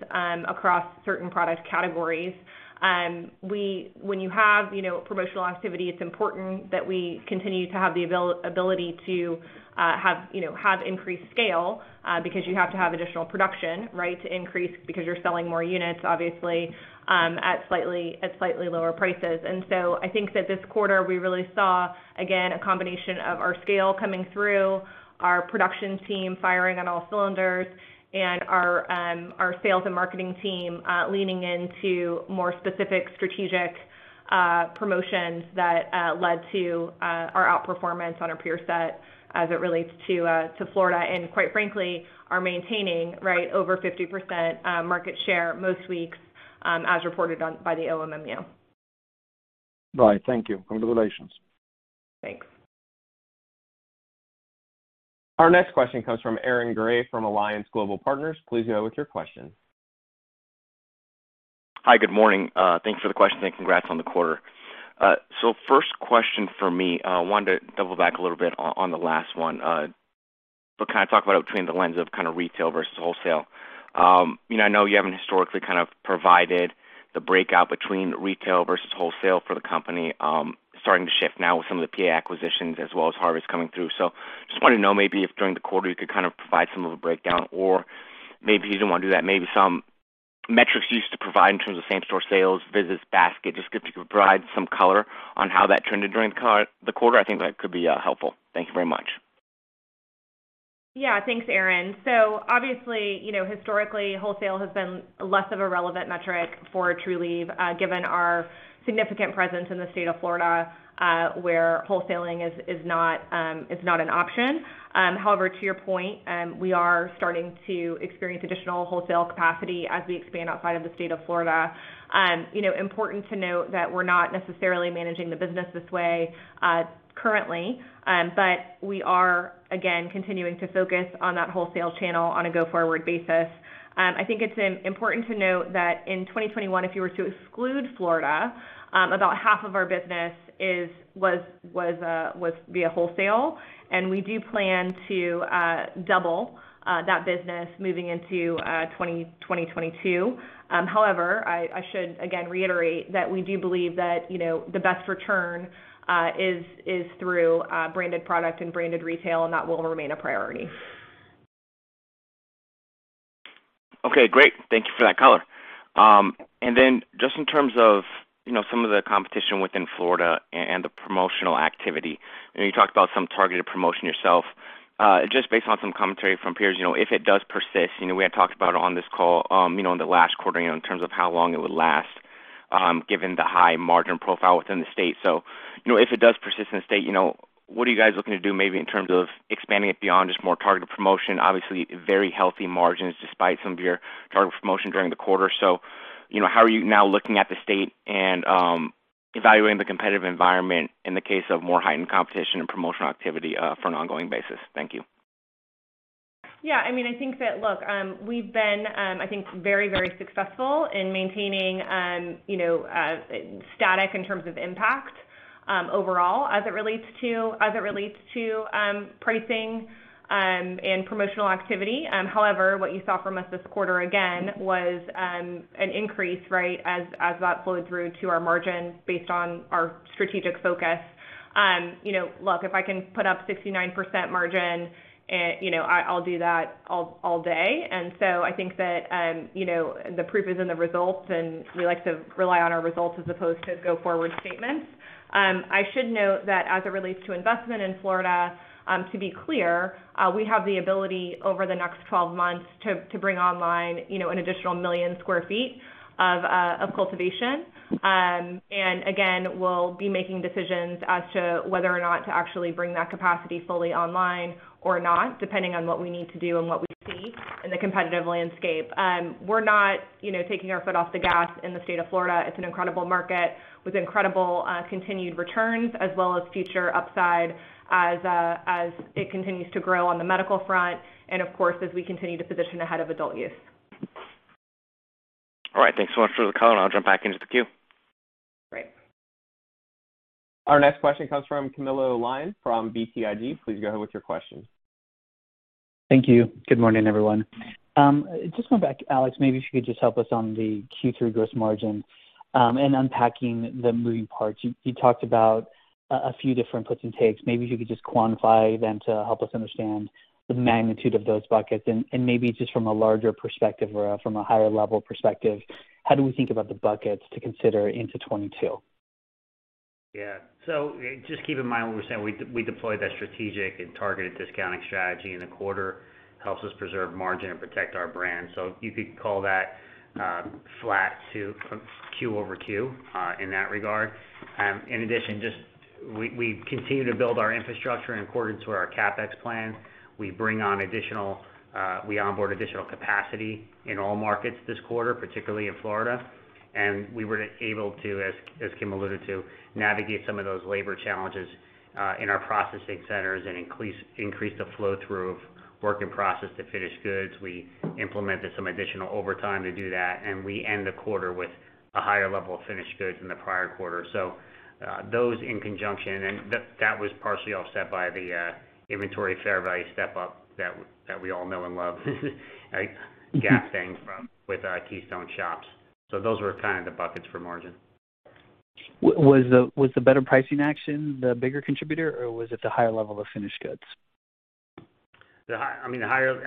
across certain product categories. When you have, you know, promotional activity, it's important that we continue to have the availability to have, you know, increased scale because you have to have additional production, right, to increase because you're selling more units, obviously, at slightly lower prices. I think that this quarter, we really saw, again, a combination of our scale coming through, our production team firing on all cylinders, and our sales and marketing team leaning into more specific strategic promotions that led to our outperformance on our peer set as it relates to Florida, and quite frankly, maintaining, right, over 50% market share most weeks as reported on by the OMMU. Right. Thank you. Congratulations. Thanks. Our next question comes from Aaron Grey from Alliance Global Partners. Please go with your question. Hi, good morning. Thanks for the question, and congrats on the quarter. First question for me, wanted to double back a little bit on the last one, but kinda talk about it between the lens of kinda retail versus wholesale. You know, I know you haven't historically kind of provided the breakout between retail versus wholesale for the company, starting to shift now with some of the PA acquisitions as well as Harvest coming through. Just wanted to know maybe if during the quarter, you could kind of provide some of the breakdown or maybe if you don't wanna do that, maybe some metrics you used to provide in terms of same-store sales, visits, basket. Just if you could provide some color on how that trended during the quarter, I think that could be helpful. Thank you very much. Yeah. Thanks, Aaron. Obviously, you know, historically, wholesale has been less of a relevant metric for Trulieve, given our significant presence in the state of Florida, where wholesaling is not an option. However, to your point, we are starting to experience additional wholesale capacity as we expand outside of the state of Florida. You know, important to note that we're not necessarily managing the business this way currently, but we are again continuing to focus on that wholesale channel on a go-forward basis. I think it's important to note that in 2021, if you were to exclude Florida, about half of our business was via wholesale, and we do plan to double that business moving into 2022. However, I should again reiterate that we do believe that, you know, the best return is through branded product and branded retail, and that will remain a priority. Okay, great. Thank you for that color. And then just in terms of, you know, some of the competition within Florida and the promotional activity, and you talked about some targeted promotion yourself. Just based on some commentary from peers, you know, if it does persist, you know, we had talked about on this call, you know, in the last quarter, you know, in terms of how long it would last, given the high margin profile within the state. You know, if it does persist in the state, you know, what are you guys looking to do maybe in terms of expanding it beyond just more targeted promotion? Obviously very healthy margins despite some of your targeted promotion during the quarter. You know, how are you now looking at the state and evaluating the competitive environment in the case of more heightened competition and promotional activity for an ongoing basis? Thank you. Yeah, I mean, I think that look, we've been, I think very successful in maintaining, you know, static in terms of impact, overall as it relates to pricing and promotional activity. However, what you saw from us this quarter again was an increase, right, as that flowed through to our margins based on our strategic focus. You know, look, if I can put up 69% margin, you know, I'll do that all day. I think that, you know, the proof is in the results, and we like to rely on our results as opposed to go forward statements. I should note that as it relates to investment in Florida, to be clear, we have the ability over the next 12 months to bring online, you know, an additional 1 million sq ft of cultivation. Again, we'll be making decisions as to whether or not to actually bring that capacity fully online or not, depending on what we need to do and what we see in the competitive landscape. We're not, you know, taking our foot off the gas in the state of Florida. It's an incredible market with incredible continued returns as well as future upside as it continues to grow on the medical front and of course as we continue to position ahead of adult use. All right. Thanks so much for the color, and I'll jump back into the queue. Great. Our next question comes from Camilo Lyon from BTIG. Please go ahead with your question. Thank you. Good morning, everyone. Just going back, Alex, maybe if you could just help us on the Q3 gross margin and unpacking the moving parts. You talked about a few different puts and takes. Maybe if you could just quantify them to help us understand the magnitude of those buckets and maybe just from a larger perspective or from a higher level perspective, how do we think about the buckets to consider into 2022? Just keep in mind what we're saying. We deployed that strategic and targeted discounting strategy in the quarter. Helps us preserve margin and protect our brand. You could call that flat to Q-over-Q in that regard. In addition, we continue to build our infrastructure in accordance with our CapEx plan. We onboard additional capacity in all markets this quarter, particularly in Florida. We were able to, as Kim alluded to, navigate some of those labor challenges in our processing centers and increase the flow through of work in process to finished goods. We implemented some additional overtime to do that, and we end the quarter with a higher level of finished goods in the prior quarter. Those in conjunction, and that was partially offset by the inventory fair value step up that we all know and love, right? Bhang from our Keystone Shops. Those were kind of the buckets for margin. Was the better pricing action the bigger contributor or was it the higher level of finished goods? I mean, the higher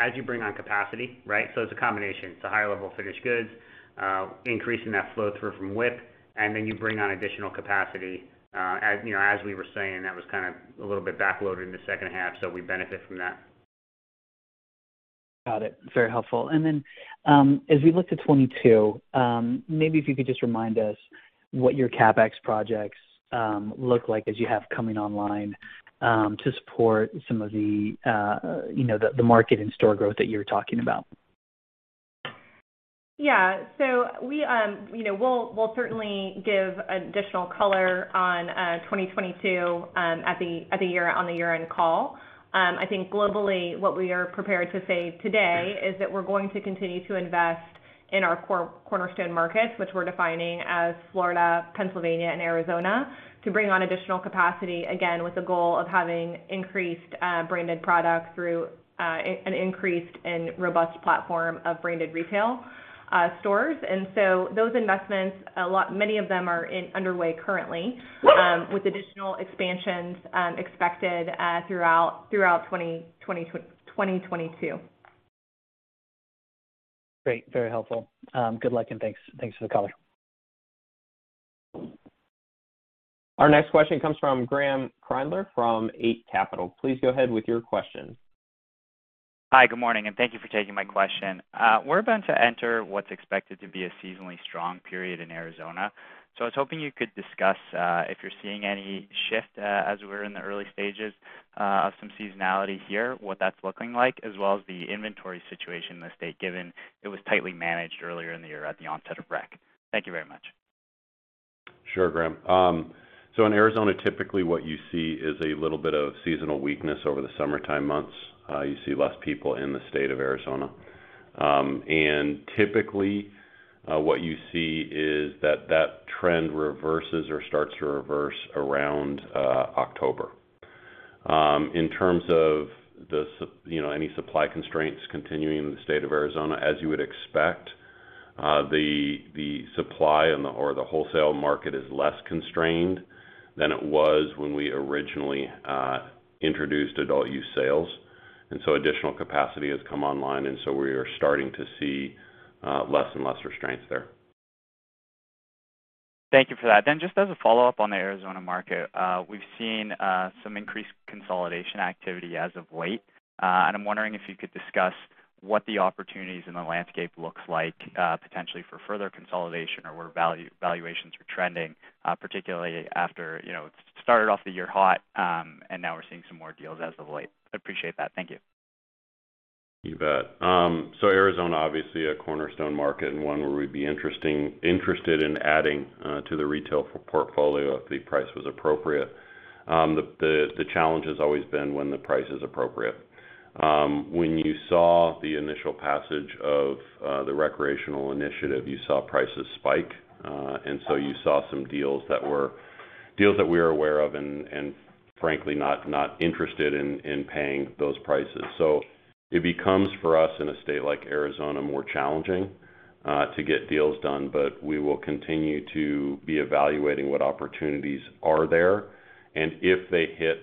as you bring on capacity, right? It's a combination. It's a higher level of finished goods, increasing that flow through from WIP, and then you bring on additional capacity. As you know, as we were saying, that was kind of a little bit backloaded in the second half, so we benefit from that. Got it. Very helpful. As we look to 2022, maybe if you could just remind us what your CapEx projects look like as you have coming online to support some of the you know the market and store growth that you were talking about. Yeah. We, you know, we'll certainly give additional color on 2022 at the year-end call. I think globally what we are prepared to say today is that we're going to continue to invest in our cornerstone markets, which we're defining as Florida, Pennsylvania and Arizona, to bring on additional capacity, again, with the goal of having increased branded products through increased and robust platform of branded retail stores. Those investments, many of them are underway currently, with additional expansions expected throughout 2022. Great. Very helpful. Good luck and thanks for the color. Our next question comes from Graeme Kreindler from Eight Capital. Please go ahead with your question. Hi, good morning, and thank you for taking my question. We're about to enter what's expected to be a seasonally strong period in Arizona. I was hoping you could discuss if you're seeing any shift of some seasonality here, what that's looking like, as well as the inventory situation in the state, given it was tightly managed earlier in the year at the onset of rec. Thank you very much. Sure, Graeme. In Arizona, typically what you see is a little bit of seasonal weakness over the summertime months. You see less people in the state of Arizona. Typically, what you see is that trend reverses or starts to reverse around October. In terms of, you know, any supply constraints continuing in the state of Arizona, as you would expect, the supply and/or the wholesale market is less constrained than it was when we originally introduced adult use sales. Additional capacity has come online, and we are starting to see less and less restraints there. Thank you for that. Just as a follow-up on the Arizona market, we've seen some increased consolidation activity as of late. I'm wondering if you could discuss what the opportunities in the landscape looks like, potentially for further consolidation or where value-valuations are trending, particularly after, you know, it started off the year hot, and now we're seeing some more deals as of late. I appreciate that. Thank you. You bet. Arizona obviously a cornerstone market and one where we'd be interested in adding to the retail footprint if the price was appropriate. The challenge has always been when the price is appropriate. When you saw the initial passage of the recreational initiative, you saw prices spike. You saw some deals that we were aware of and frankly not interested in paying those prices. It becomes for us, in a state like Arizona, more challenging to get deals done, but we will continue to be evaluating what opportunities are there. If they hit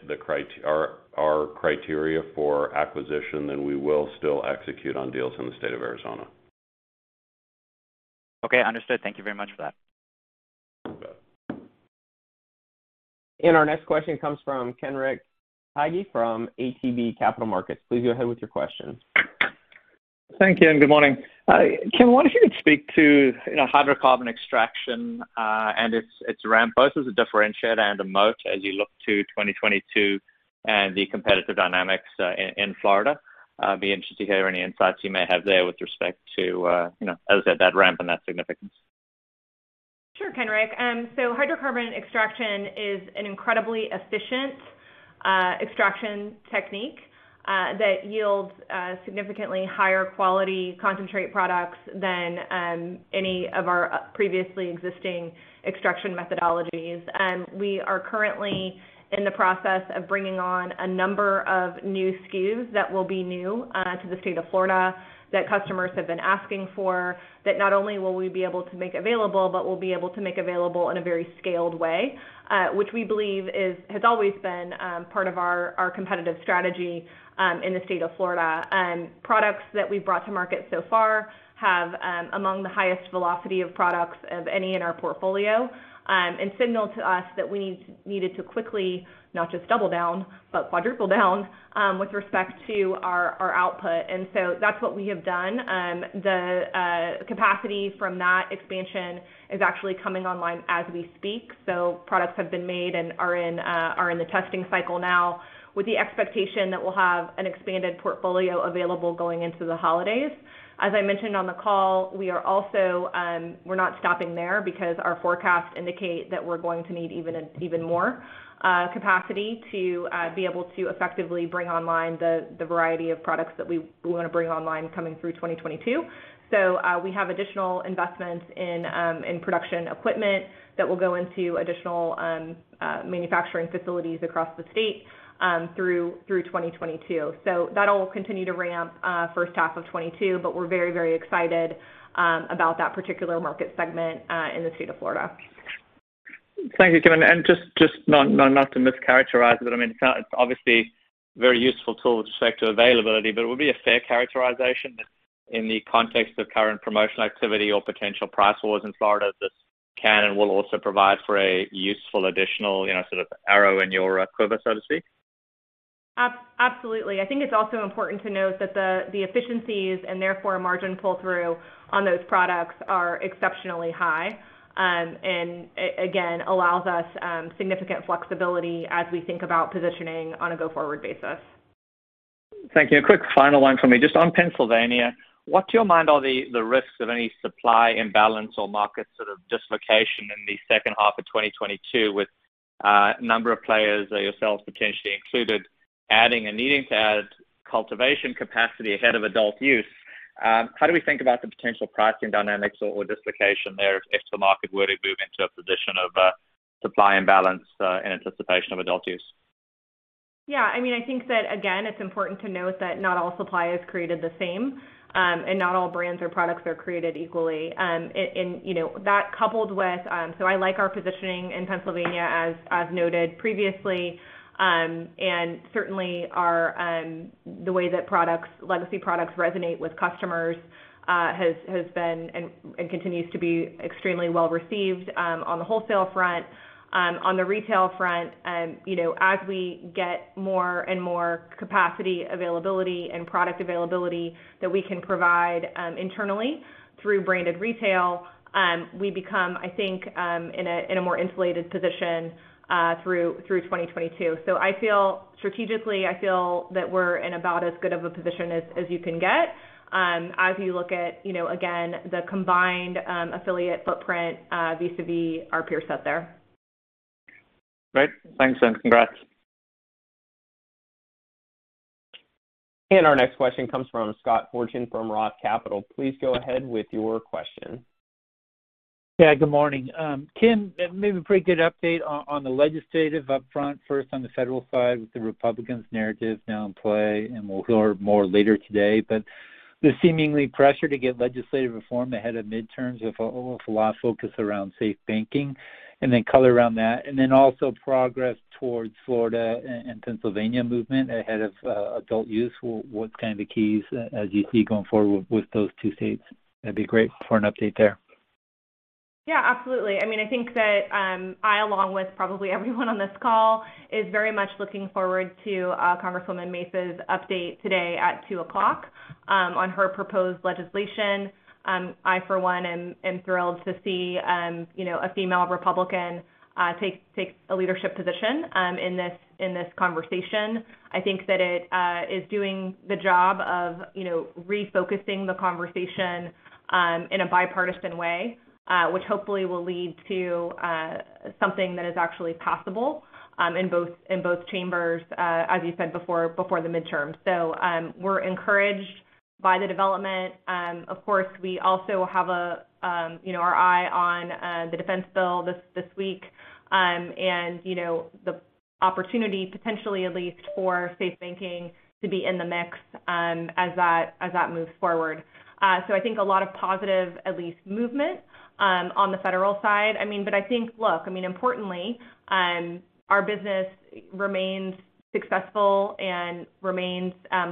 our criteria for acquisition, then we will still execute on deals in the state of Arizona. Okay, understood. Thank you very much for that. You bet. Our next question comes from Kenric Tyghe from Canaccord Genuity. Please go ahead with your question. Thank you, and good morning. Kim, I wonder if you could speak to, you know, hydrocarbon extraction, and its ramp both as a differentiator and a moat as you look to 2022 and the competitive dynamics in Florida. I'd be interested to hear any insights you may have there with respect to, you know, as said, that ramp and that significance. Sure, Kenric. Hydrocarbon extraction is an incredibly efficient extraction technique that yields significantly higher quality concentrate products than any of our previously existing extraction methodologies. We are currently in the process of bringing on a number of new SKUs that will be new to the state of Florida that customers have been asking for, that not only will we be able to make available, but we'll be able to make available in a very scaled way, which we believe has always been part of our competitive strategy in the state of Florida. Products that we've brought to market so far have, among the highest velocity of products of any in our portfolio, and signaled to us that we needed to quickly not just double down, but quadruple down, with respect to our output. That's what we have done. The capacity from that expansion is actually coming online as we speak. Products have been made and are in the testing cycle now with the expectation that we'll have an expanded portfolio available going into the holidays. As I mentioned on the call, we are also, we're not stopping there because our forecast indicate that we're going to need even more capacity to be able to effectively bring online the variety of products that we wanna bring online coming through 2022. We have additional investments in production equipment that will go into additional manufacturing facilities across the state through 2022. That'll continue to ramp first half of 2022, but we're very, very excited about that particular market segment in the state of Florida. Thank you, Kim. Just not to mischaracterize, but I mean, it's obviously very useful tool with respect to availability, but it would be a fair characterization that in the context of current promotional activity or potential price wars in Florida, this can and will also provide for a useful additional, you know, sort of arrow in your quiver, so to speak. Absolutely. I think it's also important to note that the efficiencies and therefore margin pull-through on those products are exceptionally high, and again, allows us significant flexibility as we think about positioning on a go-forward basis. Thank you. A quick final one for me. Just on Pennsylvania, what to your mind are the risks of any supply imbalance or market sort of dislocation in the second half of 2022 with number of players or yourselves potentially included, adding and needing to add cultivation capacity ahead of adult use? How do we think about the potential pricing dynamics or dislocation there if the market were to move into a position of supply imbalance in anticipation of adult use? Yeah, I mean, I think that, again, it's important to note that not all supply is created the same, and not all brands or products are created equally. You know, I like our positioning in Pennsylvania, as noted previously. Certainly the way our legacy products resonate with customers has been and continues to be extremely well-received on the wholesale front. On the retail front, you know, as we get more and more capacity availability and product availability that we can provide internally through branded retail, we become, I think, in a more insulated position through 2022. Strategically, I feel that we're in about as good of a position as you can get, as you look at, you know, again, the combined affiliate footprint vis-a-vis our peer set there. Great. Thanks, and congrats. Our next question comes from Scott Fortune from Roth Capital Partners. Please go ahead with your question. Yeah, good morning. Kim, maybe a pretty good update on the legislative up front, first on the federal side with the Republicans narrative now in play, and we'll hear more later today. There's seemingly pressure to get legislative reform ahead of midterms with a whole lot of focus around safe banking, and then color around that. Progress towards Florida and Pennsylvania movement ahead of adult use. What's kind of the keys as you see going forward with those two states? That'd be great for an update there. Yeah, absolutely. I mean, I think that I along with probably everyone on this call is very much looking forward to Congresswoman Mace's update today at 2:00 P.M. on her proposed legislation. I, for one, am thrilled to see you know, a female Republican take a leadership position in this conversation. I think that it is doing the job of you know, refocusing the conversation in a bipartisan way which hopefully will lead to something that is actually possible in both chambers as you said before the midterm. We're encouraged by the development. Of course, we also have you know, our eye on the defense bill this week, and you know, the opportunity potentially at least for safe banking to be in the mix, as that moves forward. I think a lot of positive, at least, movement on the federal side. I mean, importantly, our business remains successful and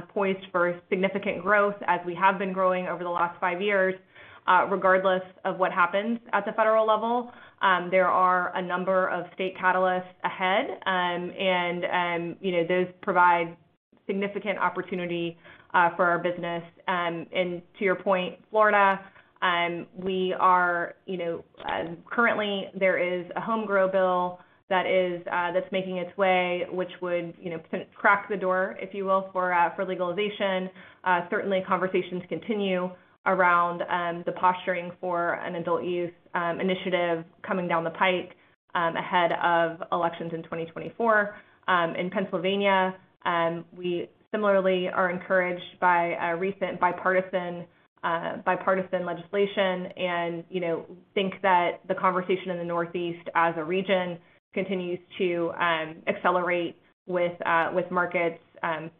poised for significant growth as we have been growing over the last five years, regardless of what happens at the federal level. There are a number of state catalysts ahead, and you know, those provide significant opportunity for our business. To your point, Florida, we are, you know, currently there is a home grow bill that is that's making its way, which would, you know, crack the door, if you will, for legalization. Certainly conversations continue around the posturing for an adult use initiative coming down the pike ahead of elections in 2024. In Pennsylvania, we similarly are encouraged by a recent bipartisan legislation and, you know, think that the conversation in the Northeast as a region continues to accelerate with markets,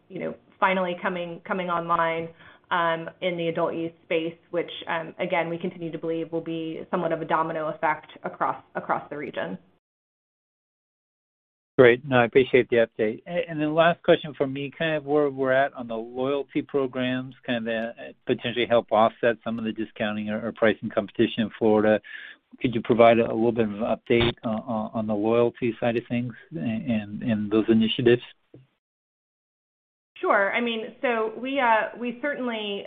you know, finally coming online in the adult use space, which, again, we continue to believe will be somewhat of a domino effect across the region. Great. No, I appreciate the update. The last question for me, kind of where we're at on the loyalty programs, kind of potentially help offset some of the discounting or pricing competition in Florida. Could you provide a little bit of an update on the loyalty side of things and those initiatives? Sure. I mean, we certainly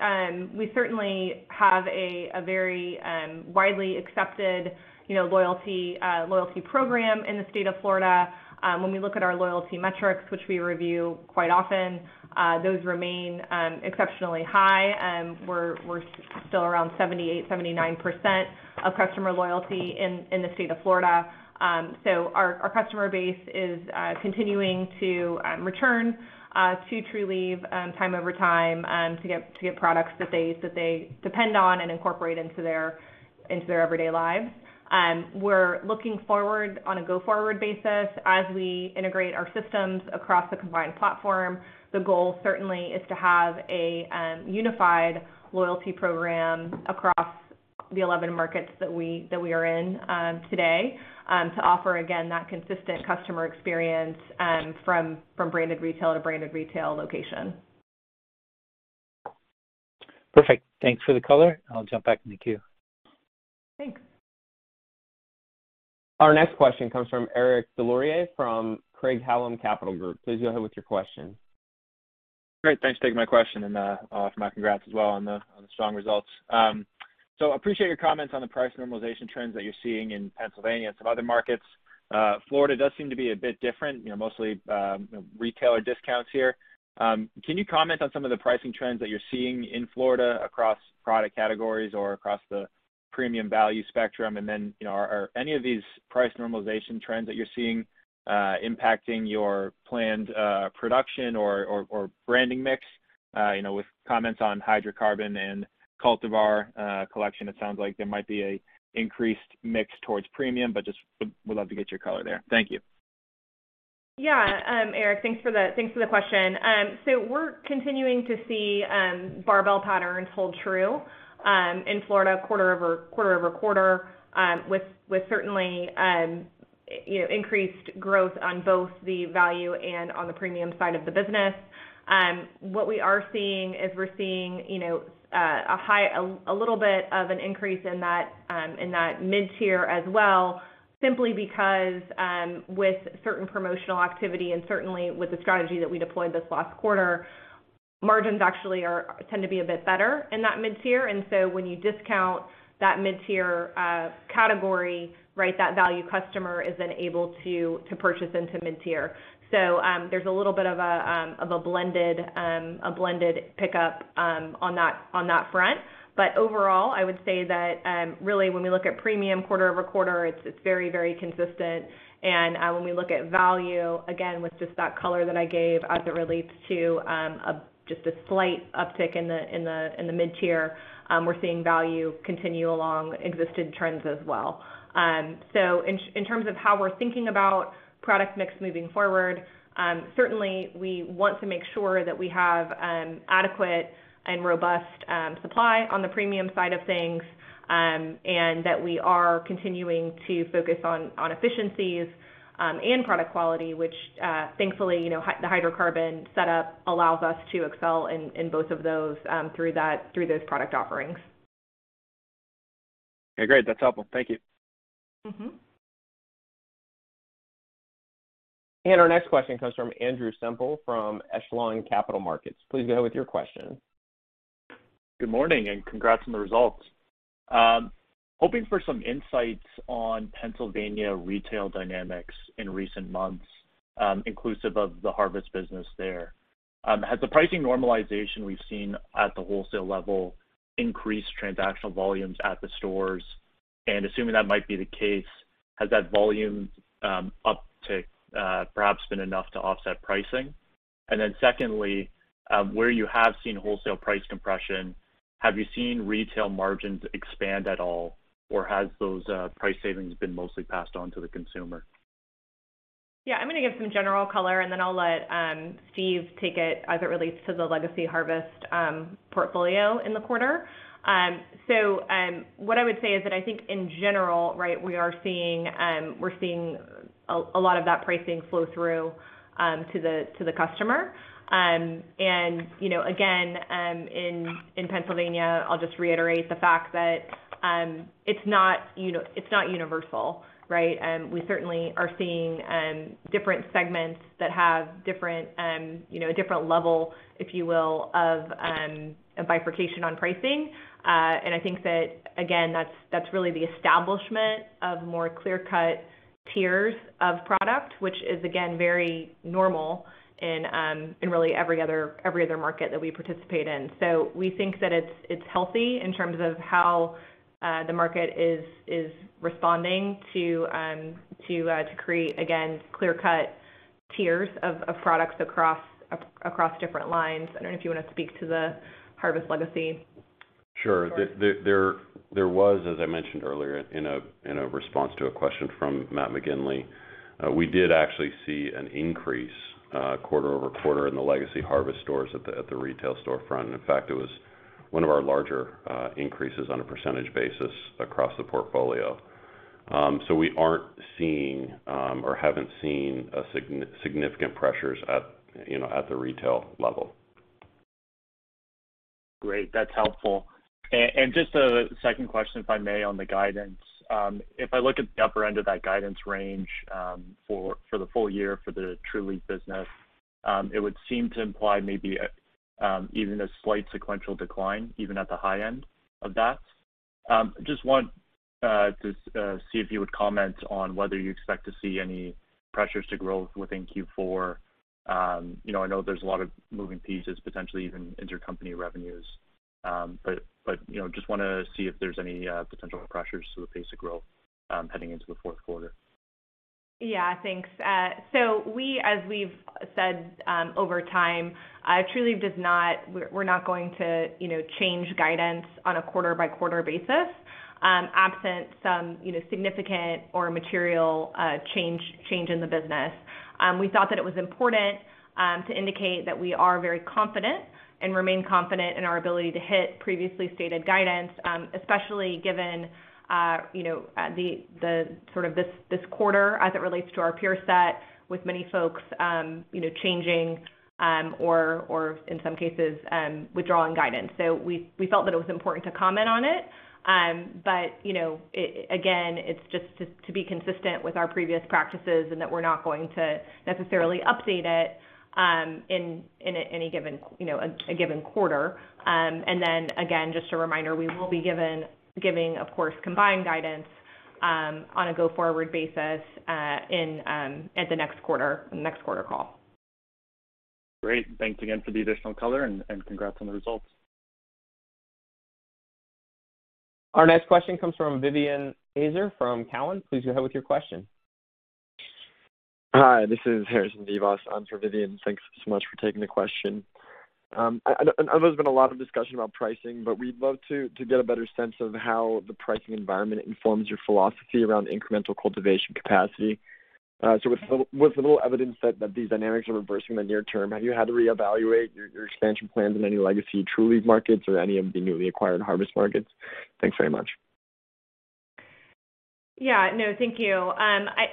have a very widely accepted, you know, loyalty program in the state of Florida. When we look at our loyalty metrics, which we review quite often, those remain exceptionally high. We're still around 78%-79% of customer loyalty in the state of Florida. Our customer base is continuing to return to Trulieve time over time to get products that they depend on and incorporate into their everyday lives. We're looking forward on a go-forward basis as we integrate our systems across the combined platform. The goal certainly is to have a unified loyalty program across the 11 markets that we are in today to offer again that consistent customer experience from branded retail to branded retail location. Perfect. Thanks for the color. I'll jump back in the queue. Thanks. Our next question comes from Eric Des Lauriers from Craig-Hallum Capital Group. Please go ahead with your question. Great. Thanks for taking my question, and I'll offer my congrats as well on the strong results. Appreciate your comments on the price normalization trends that you're seeing in Pennsylvania and some other markets. Florida does seem to be a bit different, you know, mostly you know, retailer discounts here. Can you comment on some of the pricing trends that you're seeing in Florida across product categories or across the premium value spectrum? You know, are any of these price normalization trends that you're seeing impacting your planned production or branding mix? You know, with comments on hydrocarbon and Cultivar Collection, it sounds like there might be a increased mix towards premium, but just would love to get your color there. Thank you. Yeah, Eric, thanks for the question. So we're continuing to see barbell patterns hold true in Florida quarter over quarter with certainly you know increased growth on both the value and on the premium side of the business. What we are seeing is we're seeing you know a little bit of an increase in that mid-tier as well, simply because with certain promotional activity and certainly with the strategy that we deployed this last quarter, margins actually tend to be a bit better in that mid-tier. So when you discount that mid-tier category, right, that value customer is then able to purchase into mid-tier. There's a little bit of a blended pickup on that front. Overall, I would say that really when we look at premium quarter-over-quarter, it's very consistent. When we look at value, again, with just that color that I gave as it relates to just a slight uptick in the mid-tier, we're seeing value continue along existing trends as well. In terms of how we're thinking about product mix moving forward, certainly we want to make sure that we have adequate and robust supply on the premium side of things, and that we are continuing to focus on efficiencies and product quality, which, thankfully, you know, the hydrocarbon setup allows us to excel in both of those through those product offerings. Okay, great. That's helpful. Thank you. Our next question comes from Andrew Partheniou from Ventum Financial Corp. Please go ahead with your question. Good morning, and congrats on the results. Hoping for some insights on Pennsylvania retail dynamics in recent months, inclusive of the Harvest business there. Has the pricing normalization we've seen at the wholesale level increased transactional volumes at the stores? Assuming that might be the case, has that volume uptick perhaps been enough to offset pricing? Secondly, where you have seen wholesale price compression, have you seen retail margins expand at all, or has those price savings been mostly passed on to the consumer? Yeah. I'm gonna give some general color, and then I'll let Steve take it as it relates to the legacy Harvest portfolio in the quarter. What I would say is that I think in general, right, we're seeing a lot of that pricing flow through to the customer. You know, again, in Pennsylvania, I'll just reiterate the fact that it's not universal, right? We certainly are seeing different segments that have different, you know, a different level, if you will, of a bifurcation on pricing. I think that, again, that's really the establishment of more clear-cut tiers of product, which is, again, very normal in really every other market that we participate in. We think that it's healthy in terms of how the market is responding to create, again, clear-cut tiers of products across different lines. I don't know if you wanna speak to the Harvest legacy. Sure. George. There was, as I mentioned earlier in a response to a question from Matt McGinley, we did actually see an increase quarter-over-quarter in the legacy Harvest stores at the retail storefront. In fact, it was one of our larger increases on a percentage basis across the portfolio. We aren't seeing or haven't seen significant pressures at, you know, at the retail level. Great. That's helpful. And just a second question, if I may, on the guidance. If I look at the upper end of that guidance range, for the full year for the Trulieve business, it would seem to imply maybe even a slight sequential decline even at the high end of that. Just want to see if you would comment on whether you expect to see any pressures to growth within Q4. You know, I know there's a lot of moving pieces, potentially even intercompany revenues, but you know, just wanna see if there's any potential pressures to the pace of growth, heading into the fourth quarter. Yeah. Thanks. We, as we've said over time, we're not going to, you know, change guidance on a quarter-by-quarter basis, absent some, you know, significant or material change in the business. We thought that it was important to indicate that we are very confident and remain confident in our ability to hit previously stated guidance, especially given, you know, the sort of this quarter as it relates to our peer set with many folks, you know, changing or in some cases, withdrawing guidance. We felt that it was important to comment on it. You know, again, it's just to be consistent with our previous practices and that we're not going to necessarily update it in any given quarter. Then again, just a reminder, we will be giving, of course, combined guidance on a go-forward basis at the next quarter call. Great. Thanks again for the additional color, and congrats on the results. Our next question comes from Vivien Azer from TD Cowen. Please go ahead with your question. Hi, this is Harrison Vivas. I'm from Vivien Azer. Thanks so much for taking the question. I know there's been a lot of discussion about pricing, but we'd love to get a better sense of how the pricing environment informs your philosophy around incremental cultivation capacity. With the little evidence that these dynamics are reversing in the near term, have you had to reevaluate your expansion plans in any legacy Trulieve markets or any of the newly acquired Harvest markets? Thanks very much. Yeah, no, thank you.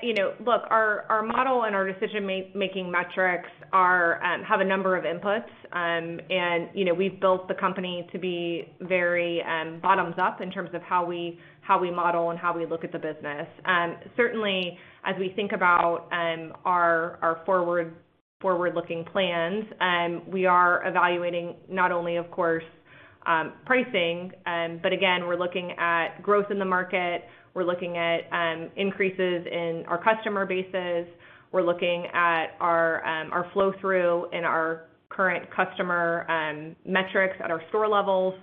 You know, look, our model and our decision making metrics have a number of inputs. You know, we've built the company to be very bottoms up in terms of how we model and how we look at the business. Certainly as we think about our forward-looking plans, we are evaluating not only of course pricing, but again, we're looking at growth in the market. We're looking at increases in our customer bases. We're looking at our flow through and our current customer metrics at our store levels.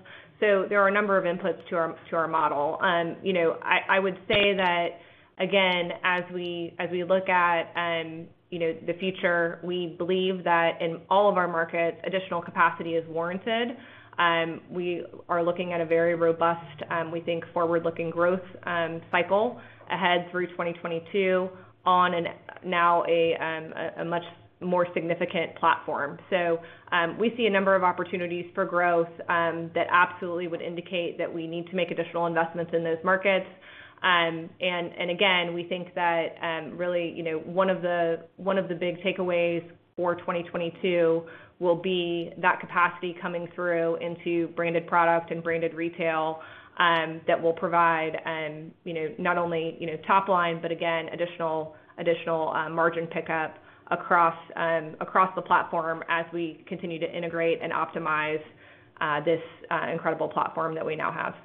There are a number of inputs to our model. You know, I would say that again, as we look at the future, we believe that in all of our markets, additional capacity is warranted. We are looking at a very robust, we think, forward-looking growth cycle ahead through 2022 on a much more significant platform. We see a number of opportunities for growth that absolutely would indicate that we need to make additional investments in those markets. Again, we think that, really, you know, one of the big takeaways for 2022 will be that capacity coming through into branded product and branded retail, that will provide, you know, not only, you know, top line, but again, additional margin pickup across the platform as we continue to integrate and optimize, this incredible platform that we now have.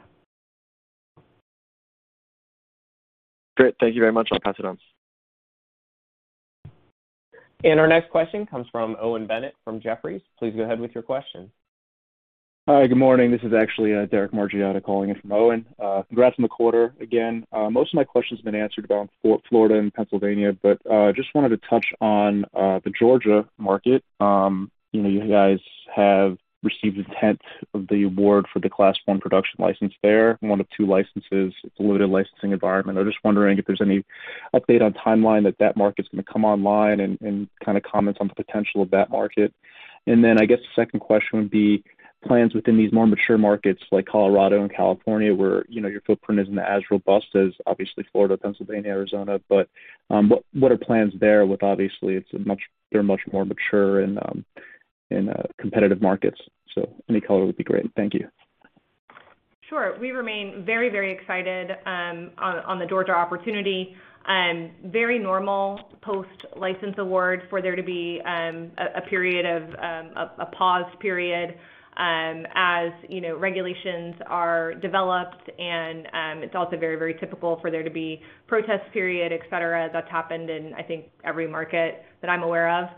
Great. Thank you very much. I'll pass it on. Our next question comes from Owen Bennett from BTIG. Please go ahead with your question. Hi, good morning. This is actually Derek Margiotta calling in from Owen. Congrats on the quarter again. Most of my questions have been answered about Florida and Pennsylvania, but just wanted to touch on the Georgia market. You know, you guys have received the notice of award for the class one production license there, one of two licenses. It's a limited licensing environment. I was just wondering if there's any update on timeline that market's gonna come online and kind of comments on the potential of that market. Then I guess the second question would be plans within these more mature markets like Colorado and California, where you know, your footprint isn't as robust as obviously Florida, Pennsylvania, Arizona. What are plans there with obviously they're much more mature and competitive markets? Any color would be great. Thank you. Sure. We remain very, very excited on the Georgia opportunity. Very normal post-license award for there to be a period of a pause period, as you know, regulations are developed and it's also very, very typical for there to be protest period, et cetera. That's happened in, I think, every market that I'm aware of.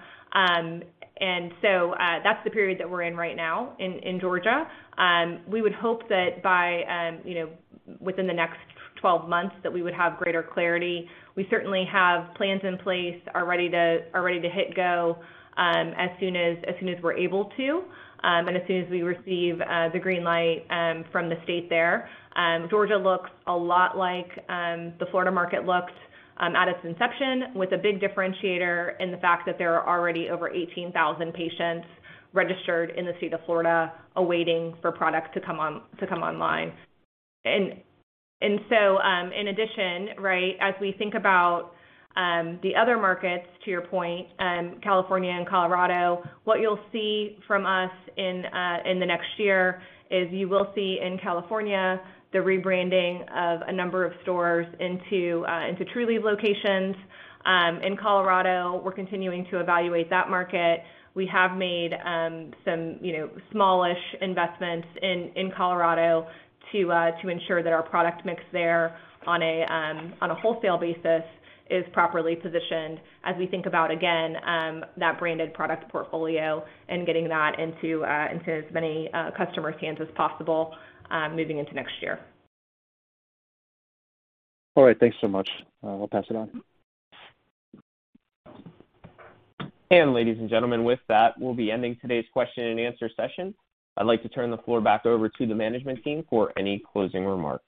That's the period that we're in right now in Georgia. We would hope that by, you know, within the next 12 months, that we would have greater clarity. We certainly have plans in place, are ready to hit go, as soon as we're able to, and as soon as we receive the green light from the state there. Georgia looks a lot like the Florida market looked at its inception with a big differentiator in the fact that there are already over 18,000 patients registered in the state of Florida awaiting for products to come online. In addition, right, as we think about the other markets, to your point, California and Colorado, what you'll see from us in the next year is you will see in California the rebranding of a number of stores into Trulieve locations. In Colorado, we're continuing to evaluate that market. We have made some you know smallish investments in Colorado to ensure that our product mix there on a wholesale basis is properly positioned as we think about again that branded product portfolio and getting that into as many customer hands as possible moving into next year. All right. Thanks so much. We'll pass it on. Ladies and gentlemen, with that, we'll be ending today's question and answer session. I'd like to turn the floor back over to the management team for any closing remarks.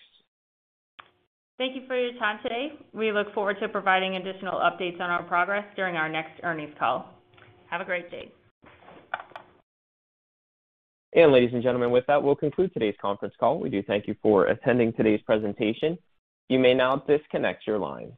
Thank you for your time today. We look forward to providing additional updates on our progress during our next earnings call. Have a great day. Ladies and gentlemen, with that, we'll conclude today's conference call. We do thank you for attending today's presentation. You may now disconnect your lines.